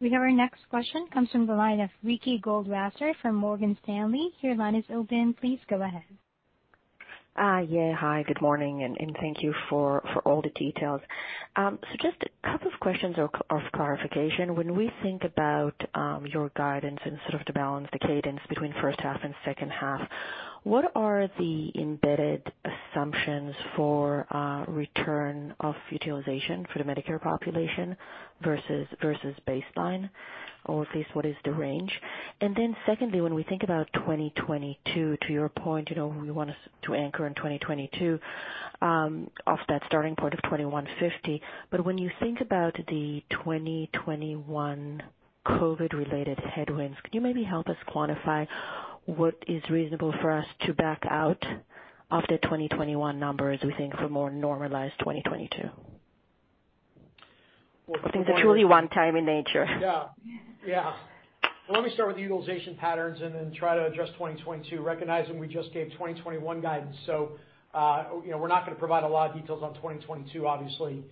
We have our next question, comes from the line of Ricky Goldwasser from Morgan Stanley. Your line is open. Please go ahead. Yeah. Hi, good morning, and thank you for all the details. Just a couple of questions of clarification. When we think about your guidance and sort of the balance, the cadence between first half and second half, what are the embedded assumptions for return of utilization for the Medicare population versus baseline? Or at least what is the range? Secondly, when we think about 2022, to your point, we want to anchor in 2022 off that starting point of $21.50. When you think about the 2021 COVID-related headwinds, could you maybe help us quantify what is reasonable for us to back out of the 2021 numbers, we think for more normalized 2022? Those things are truly one time in nature. Yeah. Let me start with the utilization patterns and then try to address 2022, recognizing we just gave 2021 guidance. We're not going to provide a lot of details on 2022, obviously.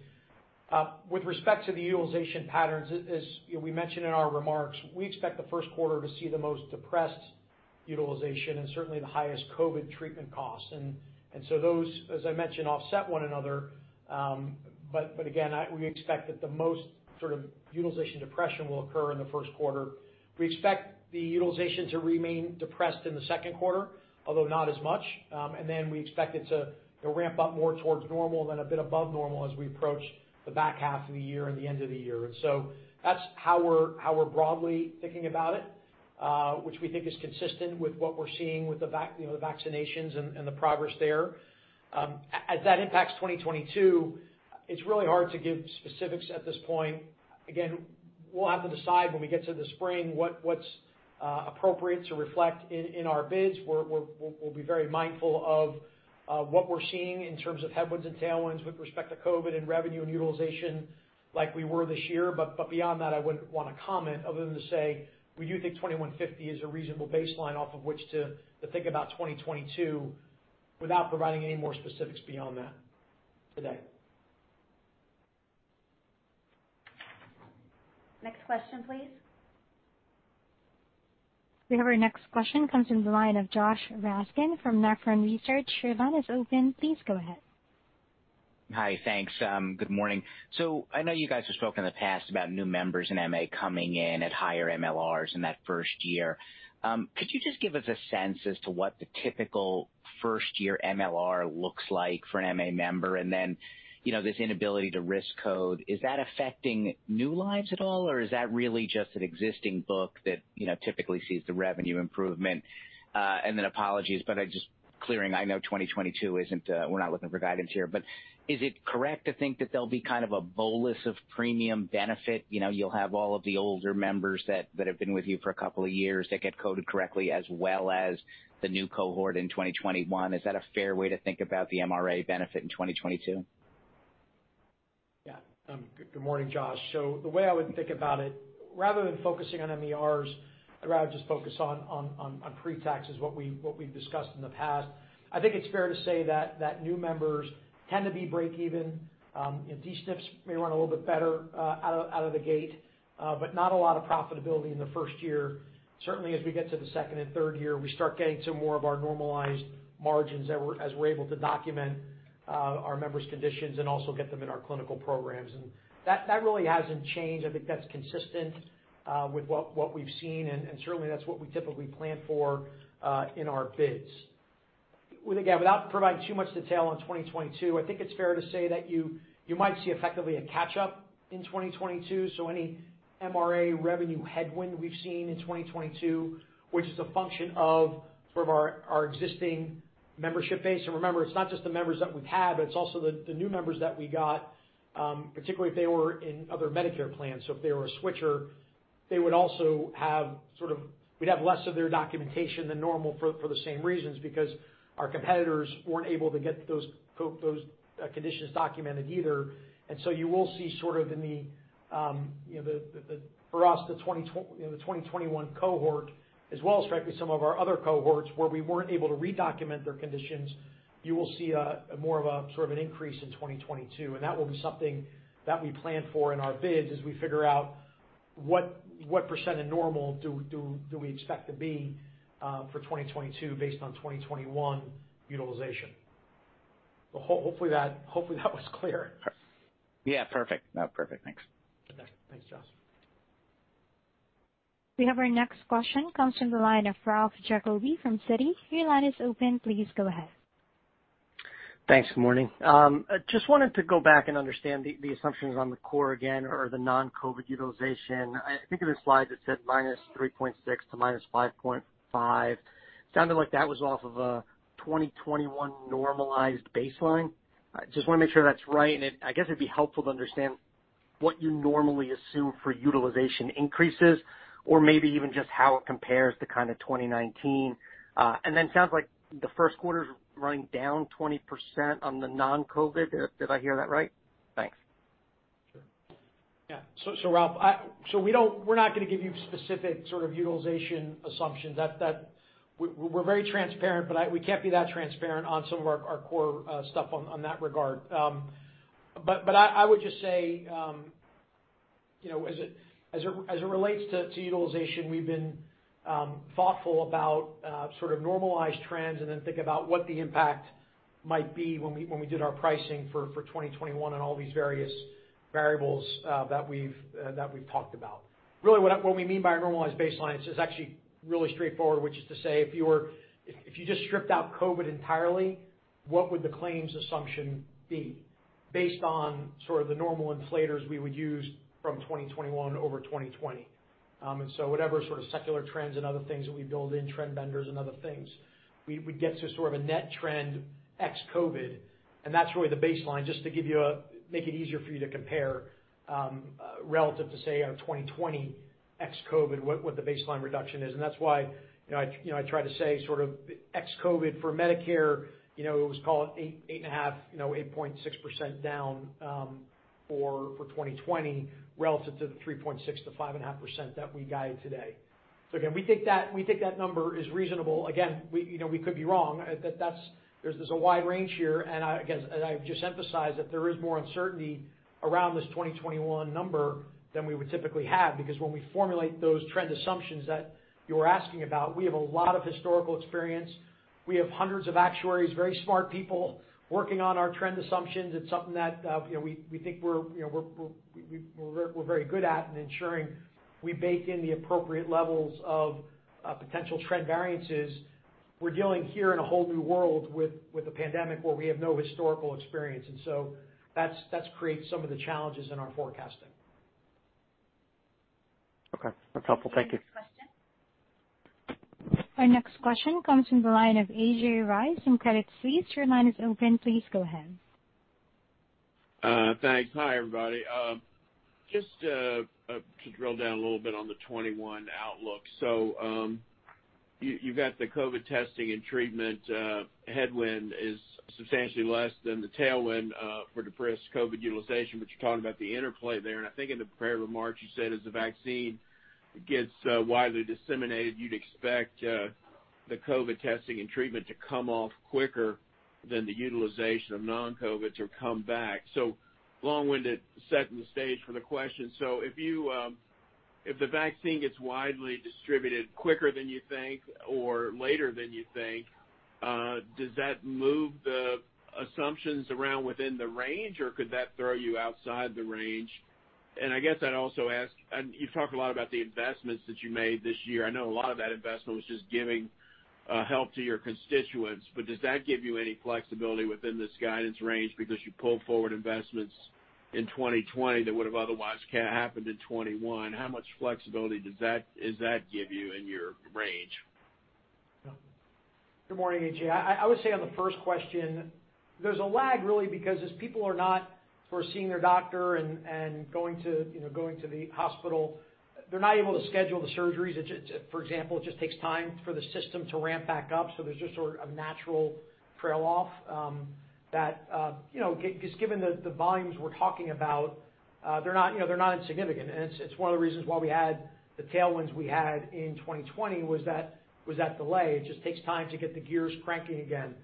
With respect to the utilization patterns, as we mentioned in our remarks, we expect the first quarter to see the most depressed utilization and certainly the highest COVID treatment costs. Those, as I mentioned, offset one another. Again, we expect that the most sort of utilization depression will occur in the first quarter. We expect the utilization to remain depressed in the second quarter, although not as much. We expect it to ramp up more towards normal, then a bit above normal as we approach the back half of the year and the end of the year. That's how we're broadly thinking about it, which we think is consistent with what we're seeing with the vaccinations and the progress there. As that impacts 2022, it's really hard to give specifics at this point. Again, we'll have to decide when we get to the spring what's appropriate to reflect in our bids. We'll be very mindful of what we're seeing in terms of headwinds and tailwinds with respect to COVID and revenue and utilization like we were this year. Beyond that, I wouldn't want to comment other than to say, we do think $21.50 is a reasonable baseline off of which to think about 2022 without providing any more specifics beyond that today. Next question, please. We have our next question, comes from the line of Josh Raskin from Nephron Research. Your line is open. Please go ahead. Hi. Thanks. Good morning. I know you guys have spoken in the past about new members in MA coming in at higher MLRs in that first year. Could you just give us a sense as to what the typical first-year MLR looks like for an MA member? This inability to risk code, is that affecting new lives at all, or is that really just an existing book that typically sees the revenue improvement? Apologies, but just clearing, I know 2022, we're not looking for guidance here, but is it correct to think that there'll be kind of a bolus of premium benefit? You'll have all of the older members that have been with you for a couple of years that get coded correctly, as well as the new cohort in 2021. Is that a fair way to think about the MRA benefit in 2022? Good morning, Josh. The way I would think about it, rather than focusing on MLRs, I'd rather just focus on pre-tax as what we've discussed in the past. I think it's fair to say that new members tend to be break even. D-SNPs may run a little bit better out of the gate. Not a lot of profitability in the first year. Certainly, as we get to the second and third year, we start getting to more of our normalized margins as we're able to document our members' conditions and also get them in our clinical programs. That really hasn't changed. I think that's consistent with what we've seen, and certainly, that's what we typically plan for in our bids. Again, without providing too much detail on 2022, I think it's fair to say that you might see effectively a catch-up in 2022. Any MRA revenue headwind we've seen in 2022, which is a function of sort of our existing membership base. Remember, it's not just the members that we've had, but it's also the new members that we got, particularly if they were in other Medicare plans. If they were a switcher, we'd have less of their documentation than normal for the same reasons, because our competitors weren't able to get those conditions documented either. You will see sort of in the, for us, the 2021 cohort as well as frankly some of our other cohorts where we weren't able to redocument their conditions. You will see more of a sort of an increase in 2022, and that will be something that we plan for in our bids as we figure out what percent of normal do we expect to be for 2022 based on 2021 utilization. Hopefully that was clear. Yeah, perfect. No, perfect. Thanks. Okay. Thanks, Josh. We have our next question, comes from the line of Ralph Giacobbe from Citi. Your line is open. Please go ahead. Thanks. Good morning. Just wanted to go back and understand the assumptions on the core again, or the non-COVID utilization. I think in the slides it said -3.6% to -5.5%. Sounded like that was off of a 2021 normalized baseline. Just want to make sure that's right. I guess it'd be helpful to understand what you normally assume for utilization increases or maybe even just how it compares to kind of 2019. Sounds like the first quarter's running down 20% on the non-COVID. Did I hear that right? Thanks. Sure. Yeah. Ralph, we're not going to give you specific sort of utilization assumptions. We're very transparent, we can't be that transparent on some of our core stuff on that regard. I would just say, as it relates to utilization, we've been thoughtful about sort of normalized trends and then think about what the impact might be when we did our pricing for 2021 and all these various variables that we've talked about. What we mean by normalized baseline is actually really straightforward, which is to say, if you just stripped out COVID entirely, what would the claims assumption be based on sort of the normal inflators we would use from 2021 over 2020? Whatever sort of secular trends and other things that we build in, trend benders and other things, we get to sort of a net trend ex-COVID, and that's really the baseline, just to make it easier for you to compare, relative to, say, our 2020 ex-COVID, what the baseline reduction is. That's why I try to say sort of ex-COVID for Medicare, it was call it 8.5%, 8.6% down for 2020 relative to the 3.6%-5.5% that we guided today. Again, we think that number is reasonable. Again, we could be wrong. There's a wide range here, and I guess as I've just emphasized, that there is more uncertainty around this 2021 number than we would typically have, because when we formulate those trend assumptions that you're asking about, we have a lot of historical experience. We have hundreds of actuaries, very smart people working on our trend assumptions. It's something that we think we're very good at in ensuring we bake in the appropriate levels of potential trend variances. We're dealing here in a whole new world with the pandemic where we have no historical experience. That creates some of the challenges in our forecasting. Okay. That's helpful. Thank you. Our next question comes from the line of A.J. Rice from Credit Suisse. Your line is open. Please go ahead. Thanks. Hi, everybody. Just to drill down a little bit on the 2021 outlook. You got the COVID testing and treatment headwind is substantially less than the tailwind for depressed COVID utilization, but you're talking about the interplay there, and I think in the prepared remarks, you said as the vaccine gets widely disseminated, you'd expect the COVID testing and treatment to come off quicker than the utilization of non-COVID to come back. Long-winded setting the stage for the question. If the vaccine gets widely distributed quicker than you think or later than you think, does that move the assumptions around within the range, or could that throw you outside the range? I guess I'd also ask, and you've talked a lot about the investments that you made this year. I know a lot of that investment was just giving help to your constituents, but does that give you any flexibility within this guidance range because you pulled forward investments in 2020 that would've otherwise happened in 2021? How much flexibility does that give you in your range? Good morning, A.J. I would say on the first question, there's a lag really because as people are not sort of seeing their doctor and going to the hospital, they're not able to schedule the surgeries. For example, it just takes time for the system to ramp back up, so there's just sort of a natural trail off that, because given the volumes we're talking about, they're not insignificant, and it's one of the reasons why we had the tailwinds we had in 2020 was that delay. It just takes time to get the gears cranking again.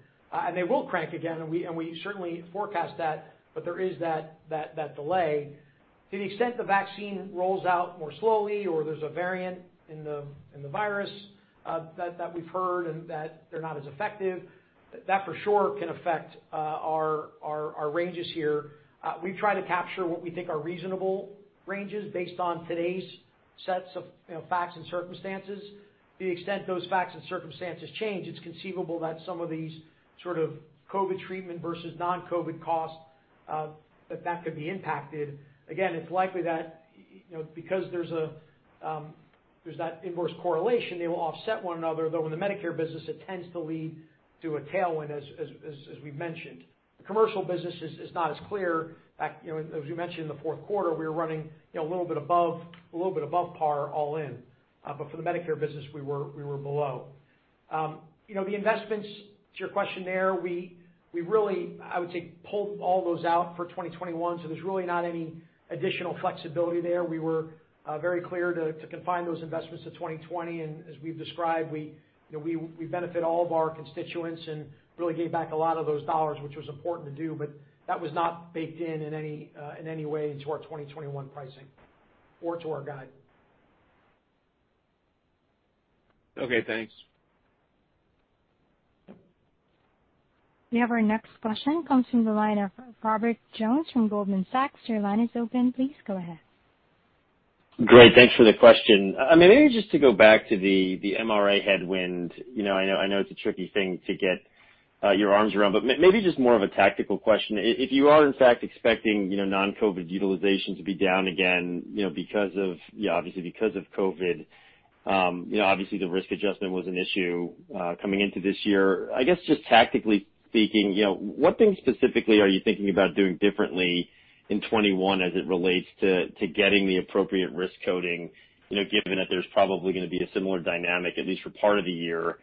They will crank again, and we certainly forecast that, but there is that delay. To the extent the vaccine rolls out more slowly or there's a variant in the virus that we've heard and that they're not as effective, that for sure can affect our ranges here. We try to capture what we think are reasonable ranges based on today's sets of facts and circumstances. To the extent those facts and circumstances change, it's conceivable that some of these sort of COVID treatment versus non-COVID costs, that could be impacted. It's likely that because there's that inverse correlation, they will offset one another, though in the Medicare business, it tends to lead to a tailwind as we've mentioned. The commercial business is not as clear. As we mentioned in the fourth quarter, we were running a little bit above par all in. For the Medicare business, we were below. The investments to your question there, we really, I would say, pulled all those out for 2021, there's really not any additional flexibility there. We were very clear to confine those investments to 2020, and as we've described, we benefit all of our constituents and really gave back a lot of those dollars, which was important to do. That was not baked in in any way into our 2021 pricing or to our guide. Okay, thanks. We have our next question comes from the line of Robert Jones from Goldman Sachs. Your line is open. Please go ahead. Great. Thanks for the question. Maybe just to go back to the MRA headwind. I know it's a tricky thing to get your arms around, but maybe just more of a tactical question. If you are, in fact, expecting non-COVID utilization to be down again, obviously because of COVID. Obviously, the risk adjustment was an issue coming into this year. I guess just tactically speaking, what things specifically are you thinking about doing differently in 2021 as it relates to getting the appropriate risk coding, given that there's probably going to be a similar dynamic, at least for part of the year,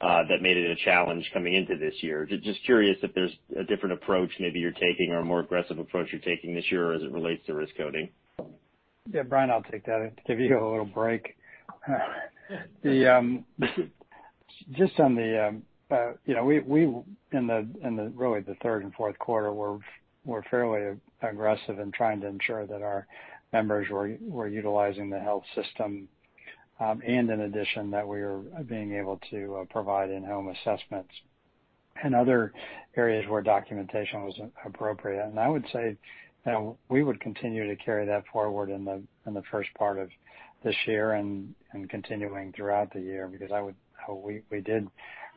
that made it a challenge coming into this year? Just curious if there's a different approach maybe you're taking or a more aggressive approach you're taking this year as it relates to risk coding? Yeah, Brian, I'll take that to give you a little break. Just in really the third and fourth quarter, we're fairly aggressive in trying to ensure that our members were utilizing the health system, and in addition, that we were being able to provide in-home assessments in other areas where documentation was appropriate. I would say that we would continue to carry that forward in the first part of this year and continuing throughout the year, because we did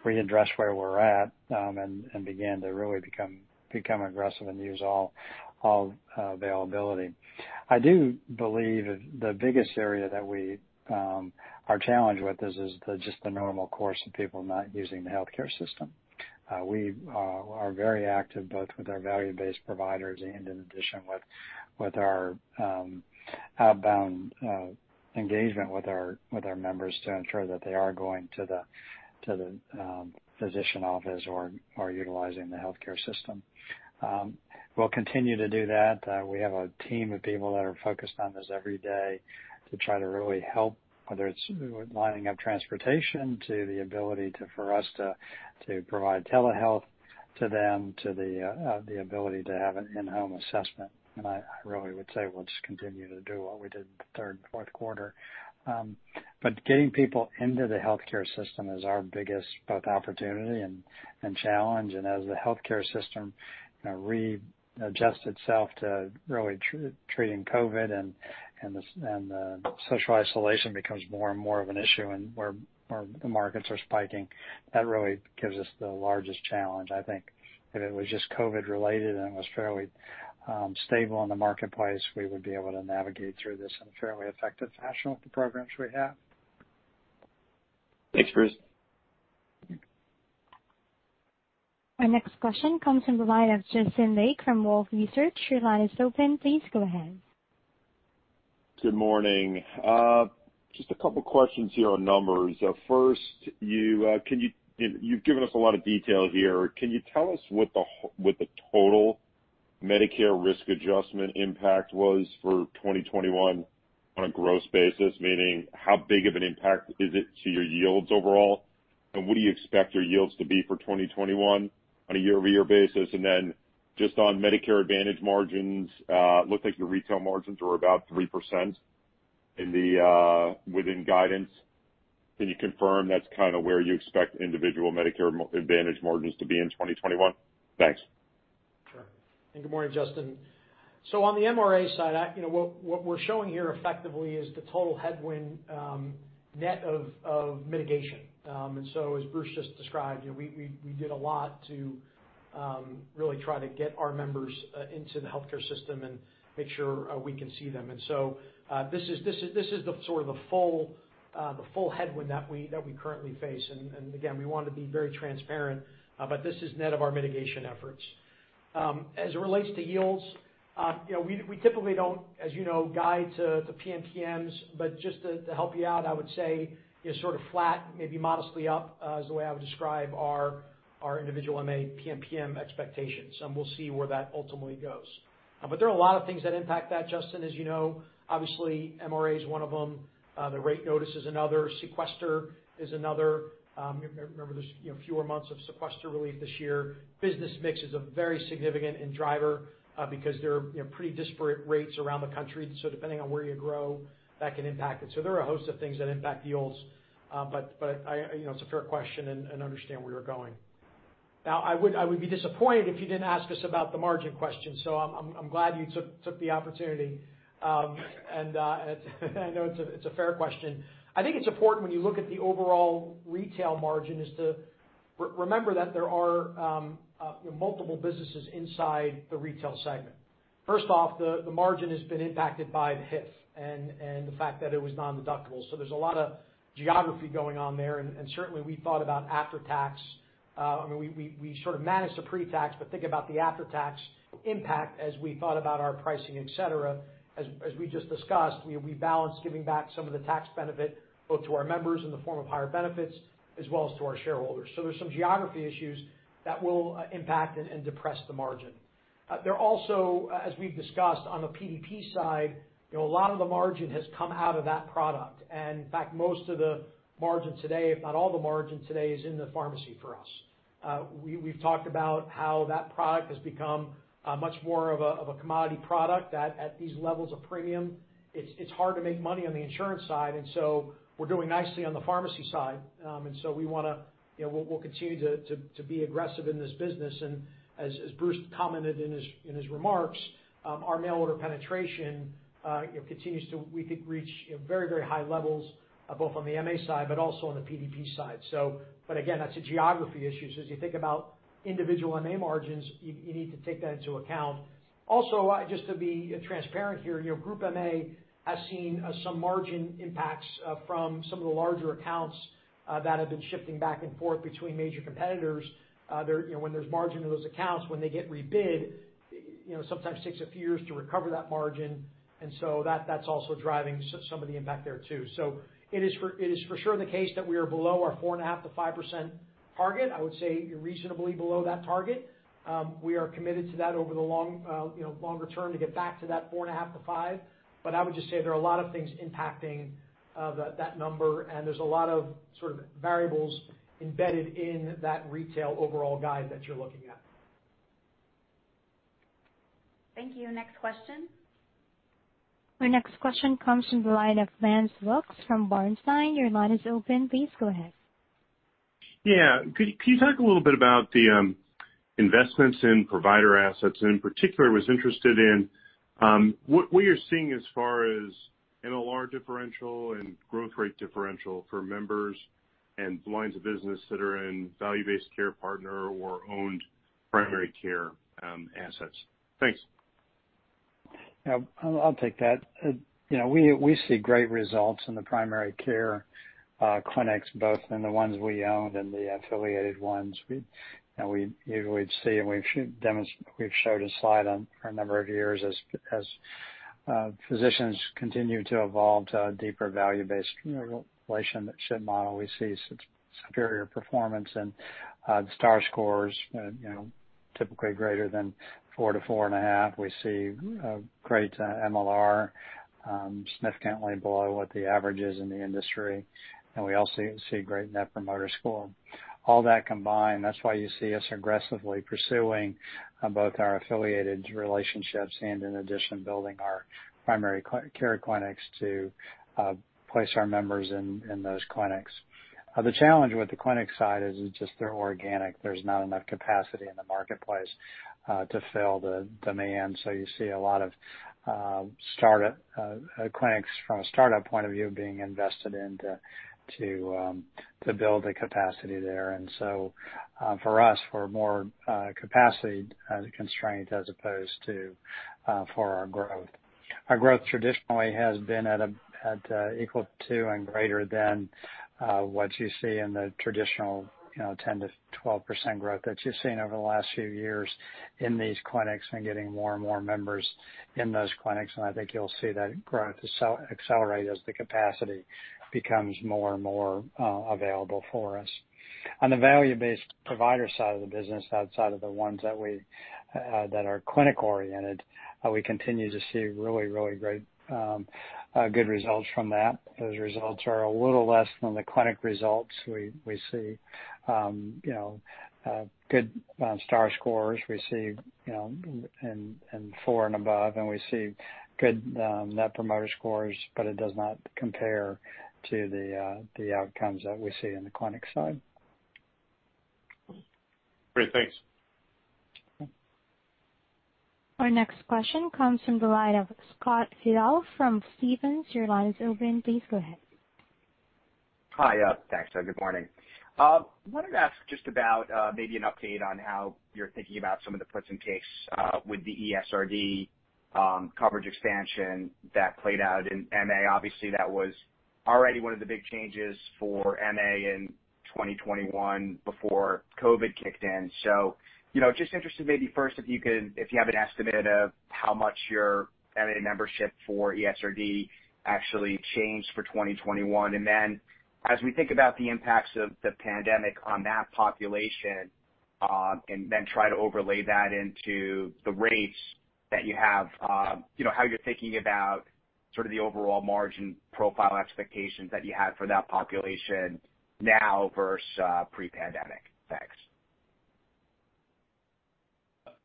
readdress where we're at, and began to really become aggressive and use all availability. I do believe the biggest area that we are challenged with is just the normal course of people not using the healthcare system. We are very active both with our value-based providers and in addition with our outbound engagement with our members to ensure that they are going to the physician office or are utilizing the healthcare system. We'll continue to do that. We have a team of people that are focused on this every day to try to really help, whether it's lining up transportation, to the ability for us to provide telehealth to them, to the ability to have an in-home assessment. I really would say we'll just continue to do what we did in the third and fourth quarter. Getting people into the healthcare system is our biggest both opportunity and challenge. As the healthcare system readjusts itself to really treating COVID, and the social isolation becomes more and more of an issue and where the markets are spiking, that really gives us the largest challenge, I think. If it was just COVID related, and it was fairly stable in the marketplace, we would be able to navigate through this in a fairly effective fashion with the programs we have. Thanks, Bruce. Our next question comes from the line of Justin Lake from Wolfe Research. Good morning. Just a couple questions here on numbers. First, you've given us a lot of detail here. Can you tell us what the total Medicare risk adjustment impact was for 2021 on a gross basis? Meaning, how big of an impact is it to your yields overall, and what do you expect your yields to be for 2021 on a year-over-year basis? Just on Medicare Advantage margins, looked like your retail margins were about 3% within guidance. Can you confirm that's kind of where you expect individual Medicare Advantage margins to be in 2021? Thanks. Sure. Good morning, Justin. On the MRA side, what we're showing here effectively is the total headwind net of mitigation. As Bruce just described, we did a lot to really try to get our members into the healthcare system and make sure we can see them. Again, we want to be very transparent, but this is net of our mitigation efforts. As it relates to yields, we typically don't, as you know, guide to the PMPMs, just to help you out, I would say sort of flat, maybe modestly up, is the way I would describe our individual MA PMPM expectations, and we'll see where that ultimately goes. There are a lot of things that impact that, Justin, as you know. Obviously, MRA is one of them. The rate notice is another. Sequester is another. Remember, there's fewer months of sequester relief this year. Business mix is a very significant end driver because there are pretty disparate rates around the country. Depending on where you grow, that can impact it. There are a host of things that impact yields. It's a fair question, and understand where you're going. Now, I would be disappointed if you didn't ask us about the margin question, so I'm glad you took the opportunity. I know it's a fair question. I think it's important when you look at the overall retail margin is to remember that there are multiple businesses inside the retail segment. First off, the margin has been impacted by the HIF and the fact that it was nondeductible. There's a lot of geography going on there, and certainly we thought about after-tax. We sort of managed the pre-tax, but think about the after-tax impact as we thought about our pricing, et cetera. As we just discussed, we balanced giving back some of the tax benefit, both to our members in the form of higher benefits as well as to our shareholders. There's some geography issues that will impact and depress the margin. There are also, as we've discussed on the PDP side, a lot of the margin has come out of that product. In fact, most of the margin today, if not all the margin today, is in the pharmacy for us. We've talked about how that product has become much more of a commodity product, that at these levels of premium, it's hard to make money on the insurance side. We're doing nicely on the pharmacy side, we'll continue to be aggressive in this business. As Bruce commented in his remarks, our mail order penetration, we could reach very high levels, both on the MA side but also on the PDP side. Again, that's a geography issue. As you think about individual MA margins, you need to take that into account. Also, just to be transparent here, Group MA has seen some margin impacts from some of the larger accounts that have been shifting back and forth between major competitors. When there's margin in those accounts, when they get rebid, it sometimes takes a few years to recover that margin. That's also driving some of the impact there, too. It is for sure the case that we are below our 4.5%-5% target. I would say reasonably below that target. We are committed to that over the longer term to get back to that 4.5%-5%. I would just say there are a lot of things impacting that number, and there's a lot of variables embedded in that retail overall guide that you're looking at. Thank you. Next question. Our next question comes from the line of Lance Wilkes from Bernstein. Your line is open. Please go ahead. Yeah. Could you talk a little bit about the investments in provider assets? In particular, I was interested in what you're seeing as far as MLR differential and growth rate differential for members and lines of business that are in value-based care partner or owned primary care assets. Thanks. I'll take that. We see great results in the primary care clinics, both in the ones we own and the affiliated ones. We usually see, and we've showed a slide on for a number of years, as physicians continue to evolve to a deeper value-based relationship model, we see superior performance and the star scores typically greater than 4-4.5. We see great MLR, significantly below what the average is in the industry, and we also see great net promoter score. All that combined, that's why you see us aggressively pursuing both our affiliated relationships and in addition, building our primary care clinics to place our members in those clinics. The challenge with the clinic side is just they're organic. There's not enough capacity in the marketplace to fill the demand. You see a lot of clinics from a startup point of view being invested in to build the capacity there. For us, we're more capacity constrained as opposed to for our growth. Our growth traditionally has been at equal to and greater than what you see in the traditional 10%-12% growth that you've seen over the last few years in these clinics and getting more and more members in those clinics. I think you'll see that growth accelerate as the capacity becomes more and more available for us. On the value-based provider side of the business, outside of the ones that are clinic oriented, we continue to see really great, good results from that. Those results are a little less than the clinic results. We see good star scores, we see four and above, and we see good net promoter scores, but it does not compare to the outcomes that we see in the clinic side. Great. Thanks. Our next question comes from the line of Scott Fidel from Stephens. Your line is open. Please go ahead. Hi. Thanks. Good morning. Wanted to ask just about maybe an update on how you're thinking about some of the puts and takes with the ESRD coverage expansion that played out in MA? Obviously, that was already one of the big changes for MA in 2021 before COVID kicked in. Just interested maybe first if you have an estimate of how much your MA membership for ESRD actually changed for 2021, and then as we think about the impacts of the pandemic on that population, and then try to overlay that into the rates that you have, how you're thinking about sort of the overall margin profile expectations that you had for that population now versus pre-pandemic? Thanks.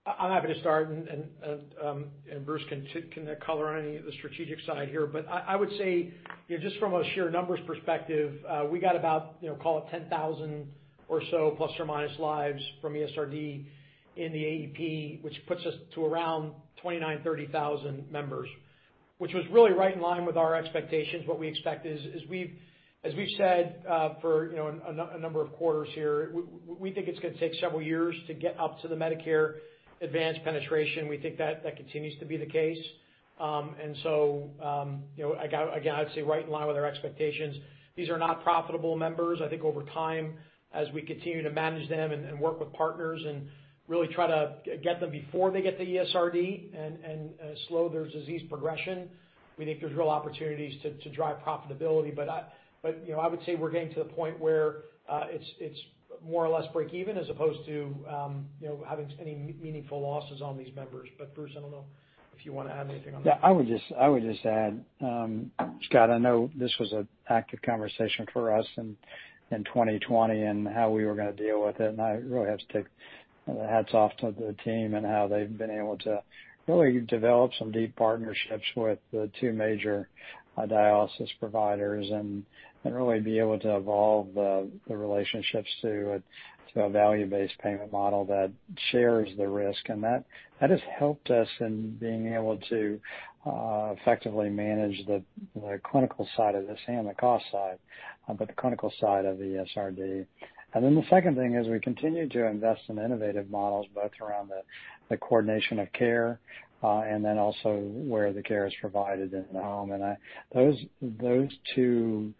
I'm happy to start, and Bruce can color on any of the strategic side here. I would say, just from a sheer numbers perspective, we got about call it 10,000 or so, plus or minus lives from ESRD in the AEP, which puts us to around 29,000-30,000 members, which was really right in line with our expectations. What we expect is, as we've said for a number of quarters here, we think it's going to take several years to get up to the Medicare Advantage penetration. We think that continues to be the case. Again, I would say right in line with our expectations. These are not profitable members. I think over time, as we continue to manage them and work with partners, and really try to get them before they get the ESRD and slow their disease progression, we think there's real opportunities to drive profitability. I would say we're getting to the point where it's more or less break even as opposed to having any meaningful losses on these members. Bruce, I don't know if you want to add anything on that. I would just add, Scott, I know this was an active conversation for us in 2020 and how we were going to deal with it. I really have to take the hats off to the team and how they've been able to really develop some deep partnerships with the two major dialysis providers, and really be able to evolve the relationships to a value-based payment model that shares the risk. That has helped us in being able to effectively manage the clinical side of this and the cost side, but the clinical side of ESRD. The second thing is we continue to invest in innovative models, both around the coordination of care, and then also where the care is provided in the home. Those two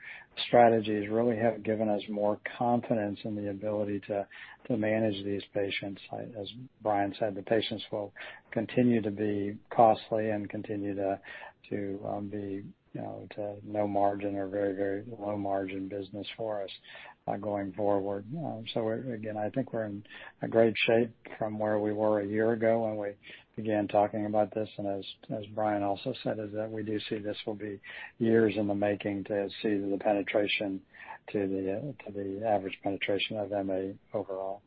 strategies really have given us more confidence in the ability to manage these patients. As Brian said, the patients will continue to be costly and continue to be to no margin or very low margin business for us going forward. Again, I think we're in a great shape from where we were a year ago when we began talking about this, and as Brian also said, is that we do see this will be years in the making to see the penetration to the average penetration of MA overall.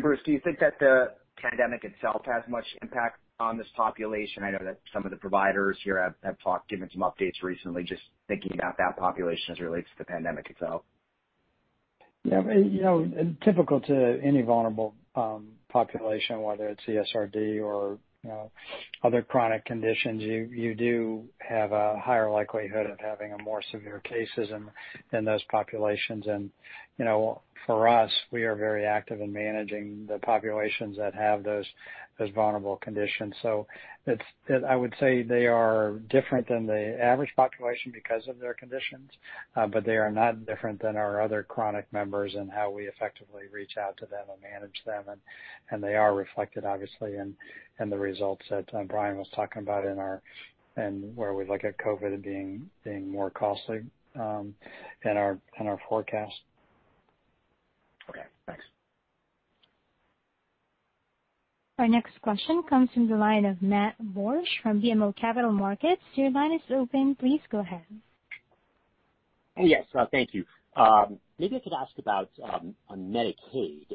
Bruce, do you think that the pandemic itself has much impact on this population? I know that some of the providers here have given some updates recently, just thinking about that population as it relates to the pandemic itself. Yeah. Typical to any vulnerable population, whether it's ESRD or other chronic conditions, you do have a higher likelihood of having a more severe cases in those populations. For us, we are very active in managing the populations that have those vulnerable conditions. I would say they are different than the average population because of their conditions. They are not different than our other chronic members and how we effectively reach out to them and manage them. They are reflected, obviously, in the results that Brian was talking about in where we look at COVID being more costly in our forecast. Okay, thanks. Our next question comes from the line of Matt Borsch from BMO Capital Markets. Your line is open. Please go ahead. Yes, thank you. Maybe I could ask about, on Medicaid,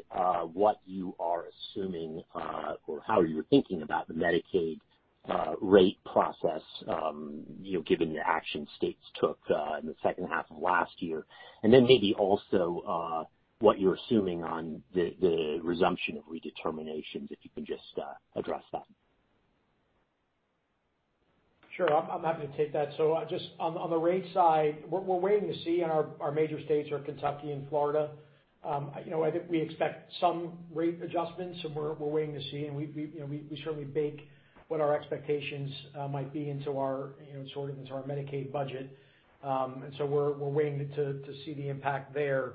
what you are assuming, or how you're thinking about the Medicaid rate process, given the action states took in the second half of last year, and then maybe also what you're assuming on the resumption of redeterminations, if you can just address that. Sure, I'm happy to take that. Just on the rate side, we're waiting to see, and our major states are Kentucky and Florida. I think we expect some rate adjustments, and we're waiting to see, and we certainly bake what our expectations might be into our Medicaid budget. We're waiting to see the impact there.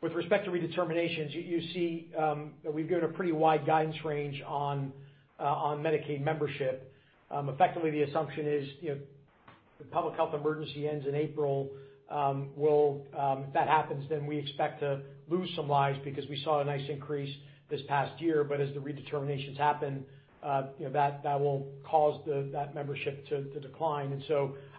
With respect to redeterminations, you see that we've given a pretty wide guidance range on Medicaid membership. Effectively, the assumption is, the public health emergency ends in April. If that happens, then we expect to lose some lives because we saw a nice increase this past year. As the redeterminations happen, that will cause that membership to decline.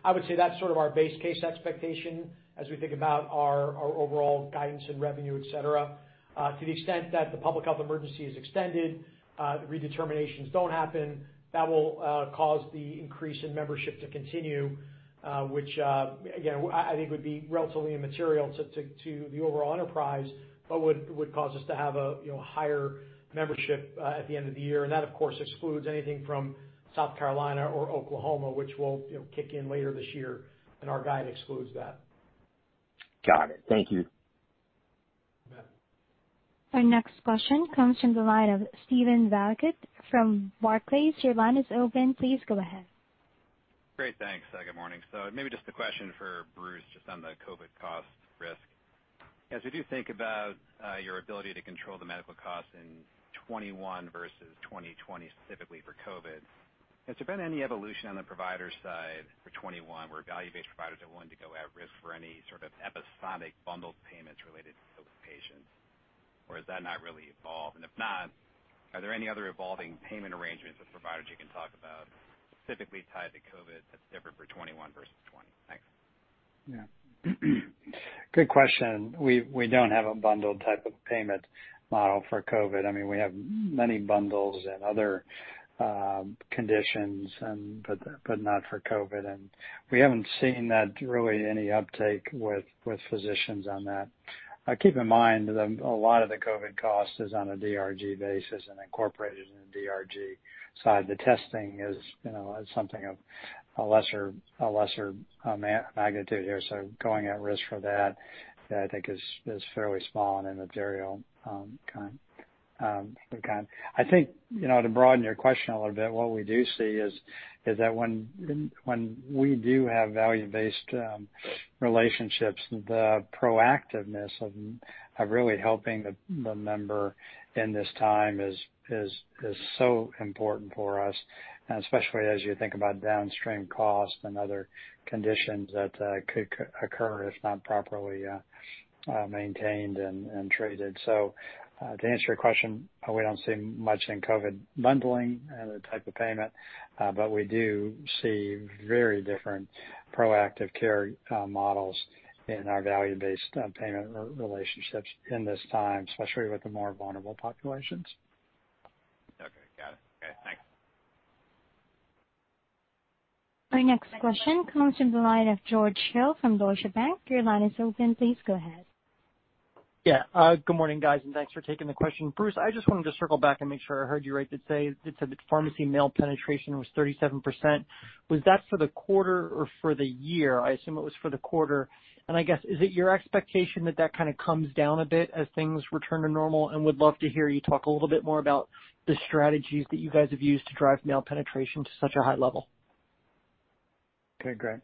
I would say that's sort of our base case expectation as we think about our overall guidance and revenue, et cetera. To the extent that the public health emergency is extended, the redeterminations don't happen, that will cause the increase in membership to continue, which, again, I think would be relatively immaterial to the overall enterprise, but would cause us to have a higher membership at the end of the year. That, of course, excludes anything from South Carolina or Oklahoma, which will kick in later this year, and our guide excludes that. Got it. Thank you. You bet. Our next question comes from the line of Steven Valiquette from Barclays. Your line is open. Please go ahead. Great. Thanks. Good morning. Maybe just a question for Bruce, just on the COVID cost risk. As we do think about your ability to control the medical costs in 2021 versus 2020, specifically for COVID, has there been any evolution on the provider side for 2021, where value-based providers are willing to go at risk for any sort of episodic bundled payments related to COVID patients, or has that not really evolved? If not, are there any other evolving payment arrangements with providers you can talk about specifically tied to COVID that's different for 2021 versus 2020? Thanks. Yeah. Good question. We don't have a bundled type of payment model for COVID. I mean, we have many bundles and other conditions, but not for COVID, and we haven't seen really any uptake with physicians on that. Keep in mind that a lot of the COVID cost is on a DRG basis and incorporated in the DRG side. The testing is something of a lesser magnitude here. Going at risk for that I think is fairly small and immaterial kind. I think, to broaden your question a little bit, what we do see is that when we do have value-based relationships, the proactiveness of really helping the member in this time is so important for us, especially as you think about downstream costs and other conditions that could occur if not properly maintained and treated. To answer your question, we don't see much in COVID bundling as a type of payment, but we do see very different proactive care models in our value-based payment relationships in this time, especially with the more vulnerable populations. Okay. Got it. Okay, thanks. Our next question comes from the line of George Hill from Deutsche Bank. Your line is open. Please go ahead. Yeah. Good morning, guys, and thanks for taking the question. Bruce, I just wanted to circle back and make sure I heard you right. You said that pharmacy mail penetration was 37%. Was that for the quarter or for the year? I assume it was for the quarter. I guess, is it your expectation that that kind of comes down a bit as things return to normal? Would love to hear you talk a little bit more about the strategies that you guys have used to drive mail penetration to such a high level. Okay, great.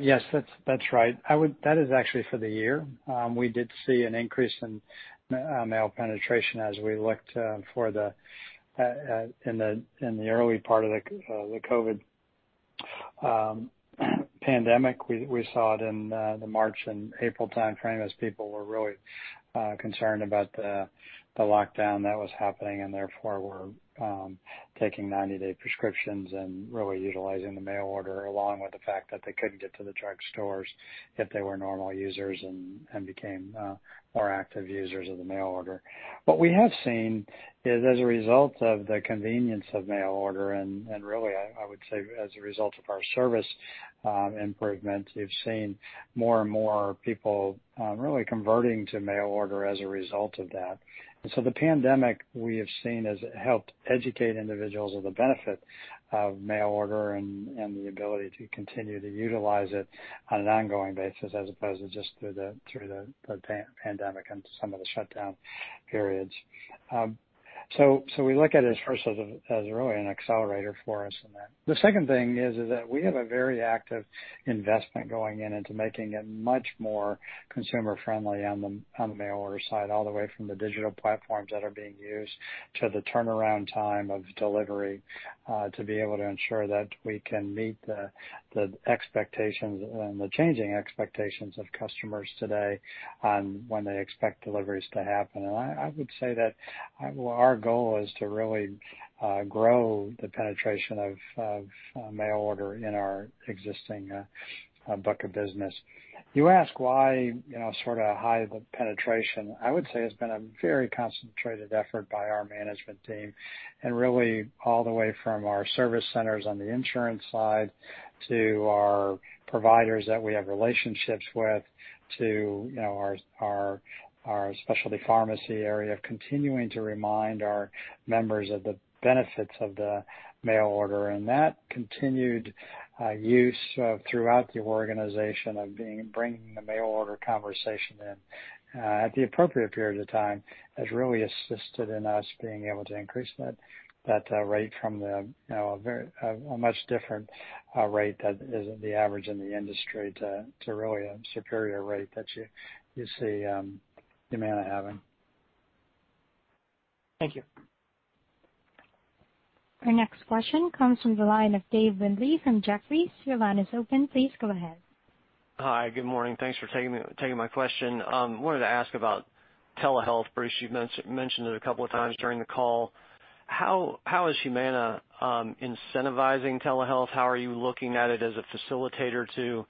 Yes, that's right. That is actually for the year. We did see an increase in mail penetration as we looked in the early part of the COVID pandemic. We saw it in the March and April timeframe as people were really concerned about the lockdown that was happening and therefore were taking 90-day prescriptions and really utilizing the mail order along with the fact that they couldn't get to the drugstores if they were normal users and became more active users of the mail order. What we have seen is, as a result of the convenience of mail order, and really, I would say, as a result of our service improvement, we've seen more and more people really converting to mail order as a result of that. The pandemic, we have seen, has helped educate individuals of the benefit of mail order and the ability to continue to utilize it on an ongoing basis as opposed to just through the pandemic and some of the shutdown periods. We look at it first as really an accelerator for us in that. The second thing is that we have a very active investment going into making it much more consumer-friendly on the mail order side, all the way from the digital platforms that are being used to the turnaround time of delivery, to be able to ensure that we can meet the expectations and the changing expectations of customers today on when they expect deliveries to happen. I would say that our goal is to really grow the penetration of mail order in our existing book of business. You ask why sort of high the penetration. I would say it's been a very concentrated effort by our management team, and really all the way from our service centers on the insurance side to our providers that we have relationships with to our specialty pharmacy area, continuing to remind our members of the benefits of the mail order. That continued use throughout the organization of bringing the mail order conversation in at the appropriate period of time has really assisted in us being able to increase that rate from a much different rate that is the average in the industry to really a superior rate that you see Humana having. Thank you. Our next question comes from the line of Dave Windley from Jefferies. Your line is open. Please go ahead. Hi. Good morning. Thanks for taking my question. Wanted to ask about telehealth. Bruce, you've mentioned it a couple of times during the call. How is Humana incentivizing telehealth? How are you looking at it as a facilitator to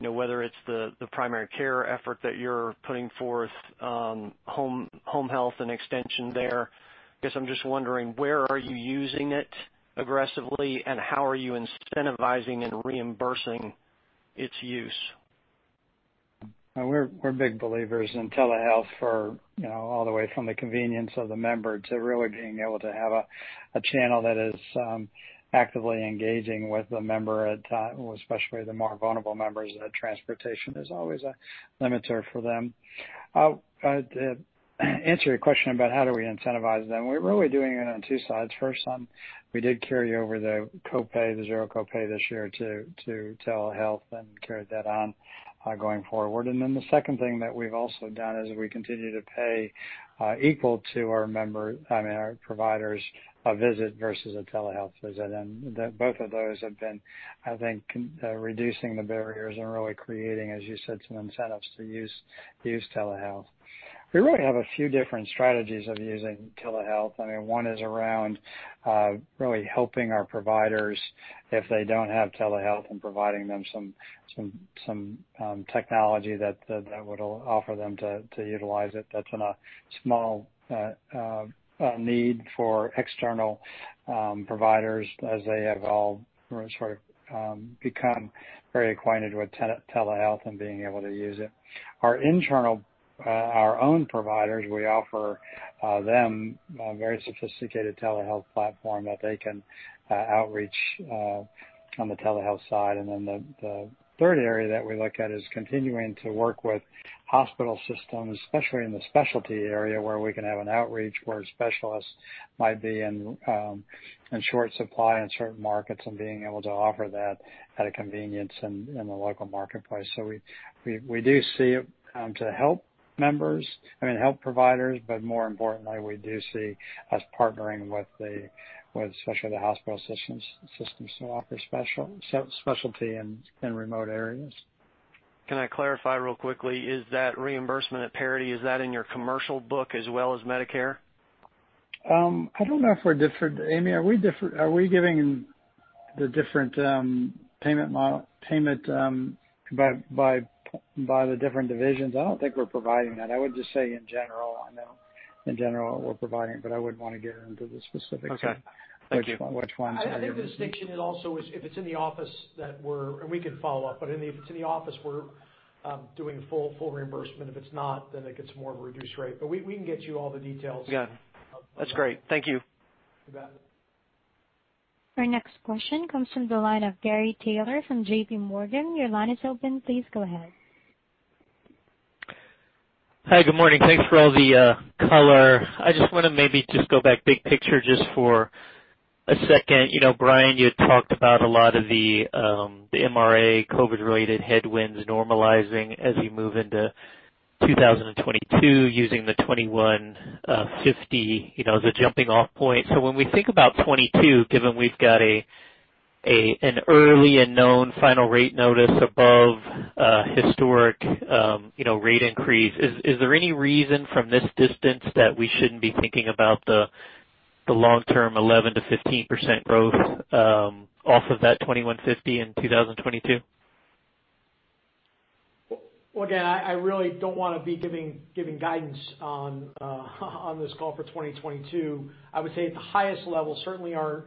whether it's the primary care effort that you're putting forth, home health and extension there? I guess I'm just wondering where are you using it aggressively, and how are you incentivizing and reimbursing its use? We're big believers in telehealth for all the way from the convenience of the member to really being able to have a channel that is actively engaging with the member at times, especially the more vulnerable members, as transportation is always a limiter for them. To answer your question about how do we incentivize them, we're really doing it on two sides. First, we did carry over the zero copay this year to telehealth and carried that on going forward. The second thing that we've also done is we continue to pay equal to our providers a visit versus a telehealth visit. Both of those have been, I think, reducing the barriers and really creating, as you said, some incentives to use telehealth. We really have a few different strategies of using telehealth. One is around really helping our providers if they don't have telehealth and providing them some technology that would offer them to utilize it. That's been a small need for external providers as they have all sort of become very acquainted with telehealth and being able to use it. Our own providers, we offer them a very sophisticated telehealth platform that they can outreach on the telehealth side. The third area that we look at is continuing to work with hospital systems, especially in the specialty area, where we can have an outreach where specialists might be in short supply in certain markets and being able to offer that at a convenience in the local marketplace. We do see it to help providers, but more importantly, we do see us partnering with especially the hospital systems to offer specialty in remote areas. Can I clarify real quickly, is that reimbursement at parity, is that in your commercial book as well as Medicare? I don't know if we're different. Amy, are we giving the different payment model by the different divisions? I don't think we're providing that. I would just say in general, I know in general we're providing, but I wouldn't want to get into the specifics of. Okay. Thank you. Which ones are giving? I think the distinction is also if it's in the office and we can follow up, but if it's in the office, we're doing full reimbursement. If it's not, then it gets more of a reduced rate. We can get you all the details. Yeah. That's great. Thank you. You bet. Our next question comes from the line of Gary Taylor from JPMorgan. Your line is open. Please go ahead. Hi, good morning. Thanks for all the color. I just want to maybe just go back big picture just for a second. Brian, you had talked about a lot of the MRA COVID-related headwinds normalizing as we move into 2022 using the $21.50 as a jumping-off point. When we think about 2022, given we've got an early and known final rate notice above historic rate increase, is there any reason from this distance that we shouldn't be thinking about the long-term 11%-15% growth off of that $21.50 in 2022? Well, again, I really don't want to be giving guidance on this call for 2022. I would say at the highest level, certainly our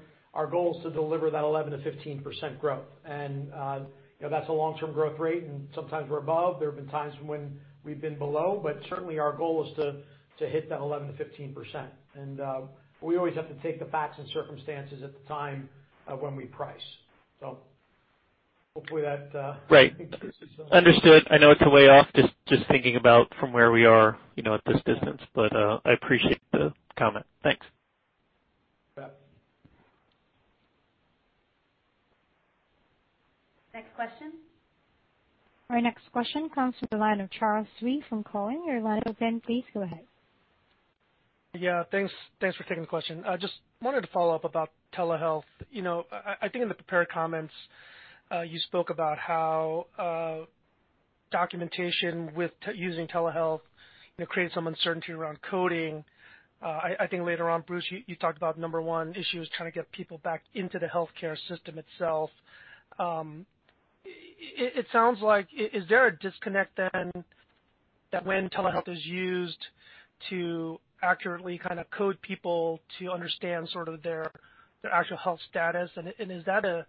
goal is to deliver that 11%-15% growth. That's a long-term growth rate, and sometimes we're above, there have been times when we've been below. Certainly, our goal is to hit that 11%-15%. We always have to take the facts and circumstances at the time when we price. Right. Understood. I know it's a way off, just thinking about from where we are at this distance. I appreciate the comment. Thanks. You bet. Next question. Our next question comes from the line of Charles Rhyee from Cowen. Your line is open. Please go ahead. Yeah, thanks for taking the question. Just wanted to follow up about telehealth. I think in the prepared comments, you spoke about how documentation with using telehealth created some uncertainty around coding. I think later on, Bruce, you talked about number one issue is trying to get people back into the healthcare system itself. Is there a disconnect then that when telehealth is used to accurately kind of code people to understand sort of their actual health status, and is that a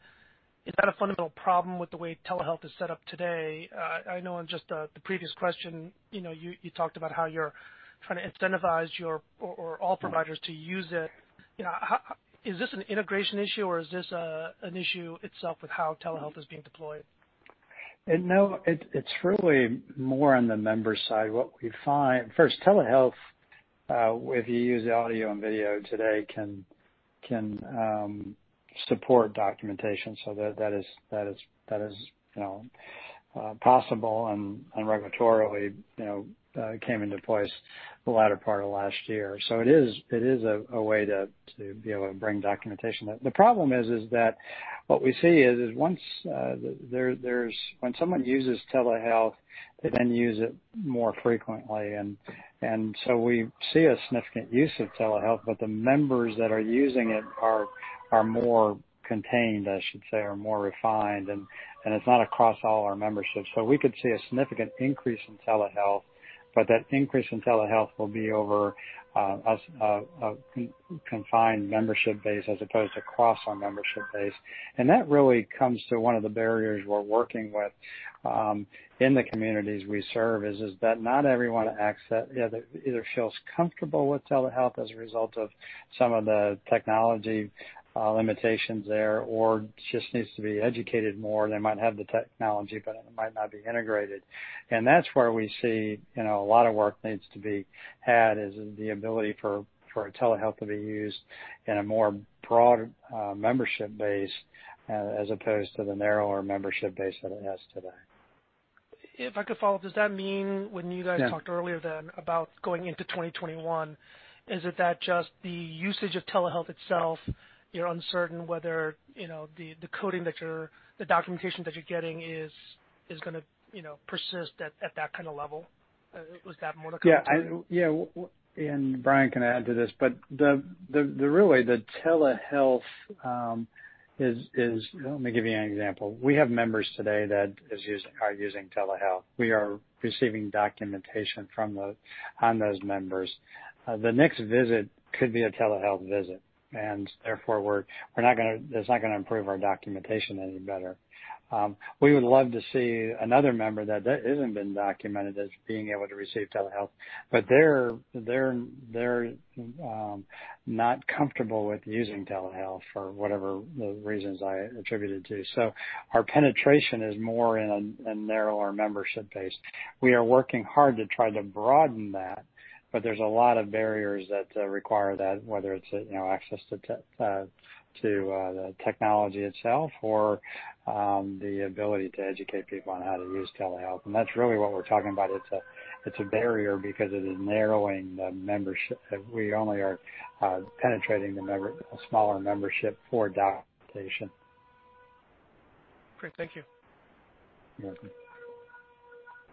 fundamental problem with the way telehealth is set up today? I know in just the previous question, you talked about how you're trying to incentivize all providers to use it. Is this an integration issue or is this an issue itself with how telehealth is being deployed? No, it's really more on the member side. First, telehealth, if you use audio and video today can support documentation so that is possible and regulatorily came into place the latter part of last year. It is a way to be able to bring documentation. The problem is that what we see is when someone uses telehealth, they then use it more frequently. We see a significant use of telehealth, but the members that are using it are more contained, I should say, are more refined, and it's not across all our membership. We could see a significant increase in telehealth, but that increase in telehealth will be over a confined membership base as opposed to across our membership base. That really comes to one of the barriers we're working with in the communities we serve, is that not everyone either feels comfortable with telehealth as a result of some of the technology limitations there, or just needs to be educated more. They might have the technology, but it might not be integrated. That's where we see a lot of work needs to be had, is the ability for telehealth to be used in a more broad membership base as opposed to the narrower membership base that it has today. If I could follow, does that mean when you guys talked earlier then about going into 2021, is it that just the usage of telehealth itself, you're uncertain whether the coding, the documentation that you're getting is going to persist at that kind of level? Was that more the concern? Yeah. Brian can add to this, but really the telehealth. Let me give you an example. We have members today that are using telehealth. We are receiving documentation on those members. The next visit could be a telehealth visit, therefore that's not going to improve our documentation any better. We would love to see another member that isn't been documented as being able to receive telehealth, they're not comfortable with using telehealth for whatever the reasons I attributed to. Our penetration is more in a narrower membership base. We are working hard to try to broaden that, there's a lot of barriers that require that, whether it's access to the technology itself or the ability to educate people on how to use telehealth. That's really what we're talking about. It's a barrier because it is narrowing the membership. We only are penetrating a smaller membership for documentation. Great. Thank you. You're welcome.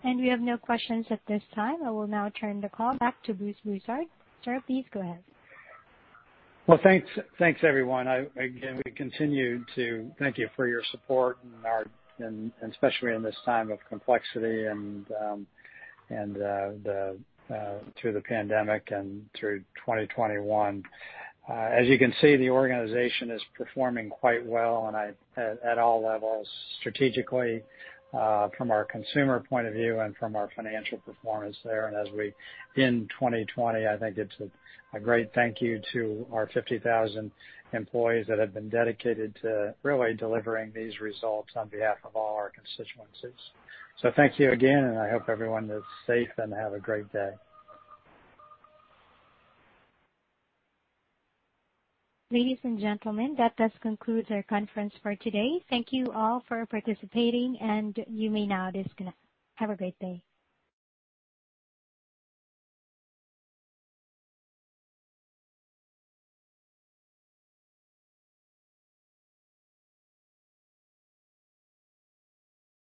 We have no questions at this time. I will now turn the call back to Bruce Broussard. Sir, please go ahead. Well, thanks everyone. Again, we continue to thank you for your support, and especially in this time of complexity and through the pandemic and through 2021. As you can see, the organization is performing quite well at all levels, strategically, from our consumer point of view, and from our financial performance there. As we end 2020, I think it's a great thank you to our 50,000 employees that have been dedicated to really delivering these results on behalf of all our constituencies. Thank you again, and I hope everyone is safe and have a great day. Ladies and gentlemen, that does conclude our conference for today. Thank you all for participating, and you may now disconnect. Have a great day.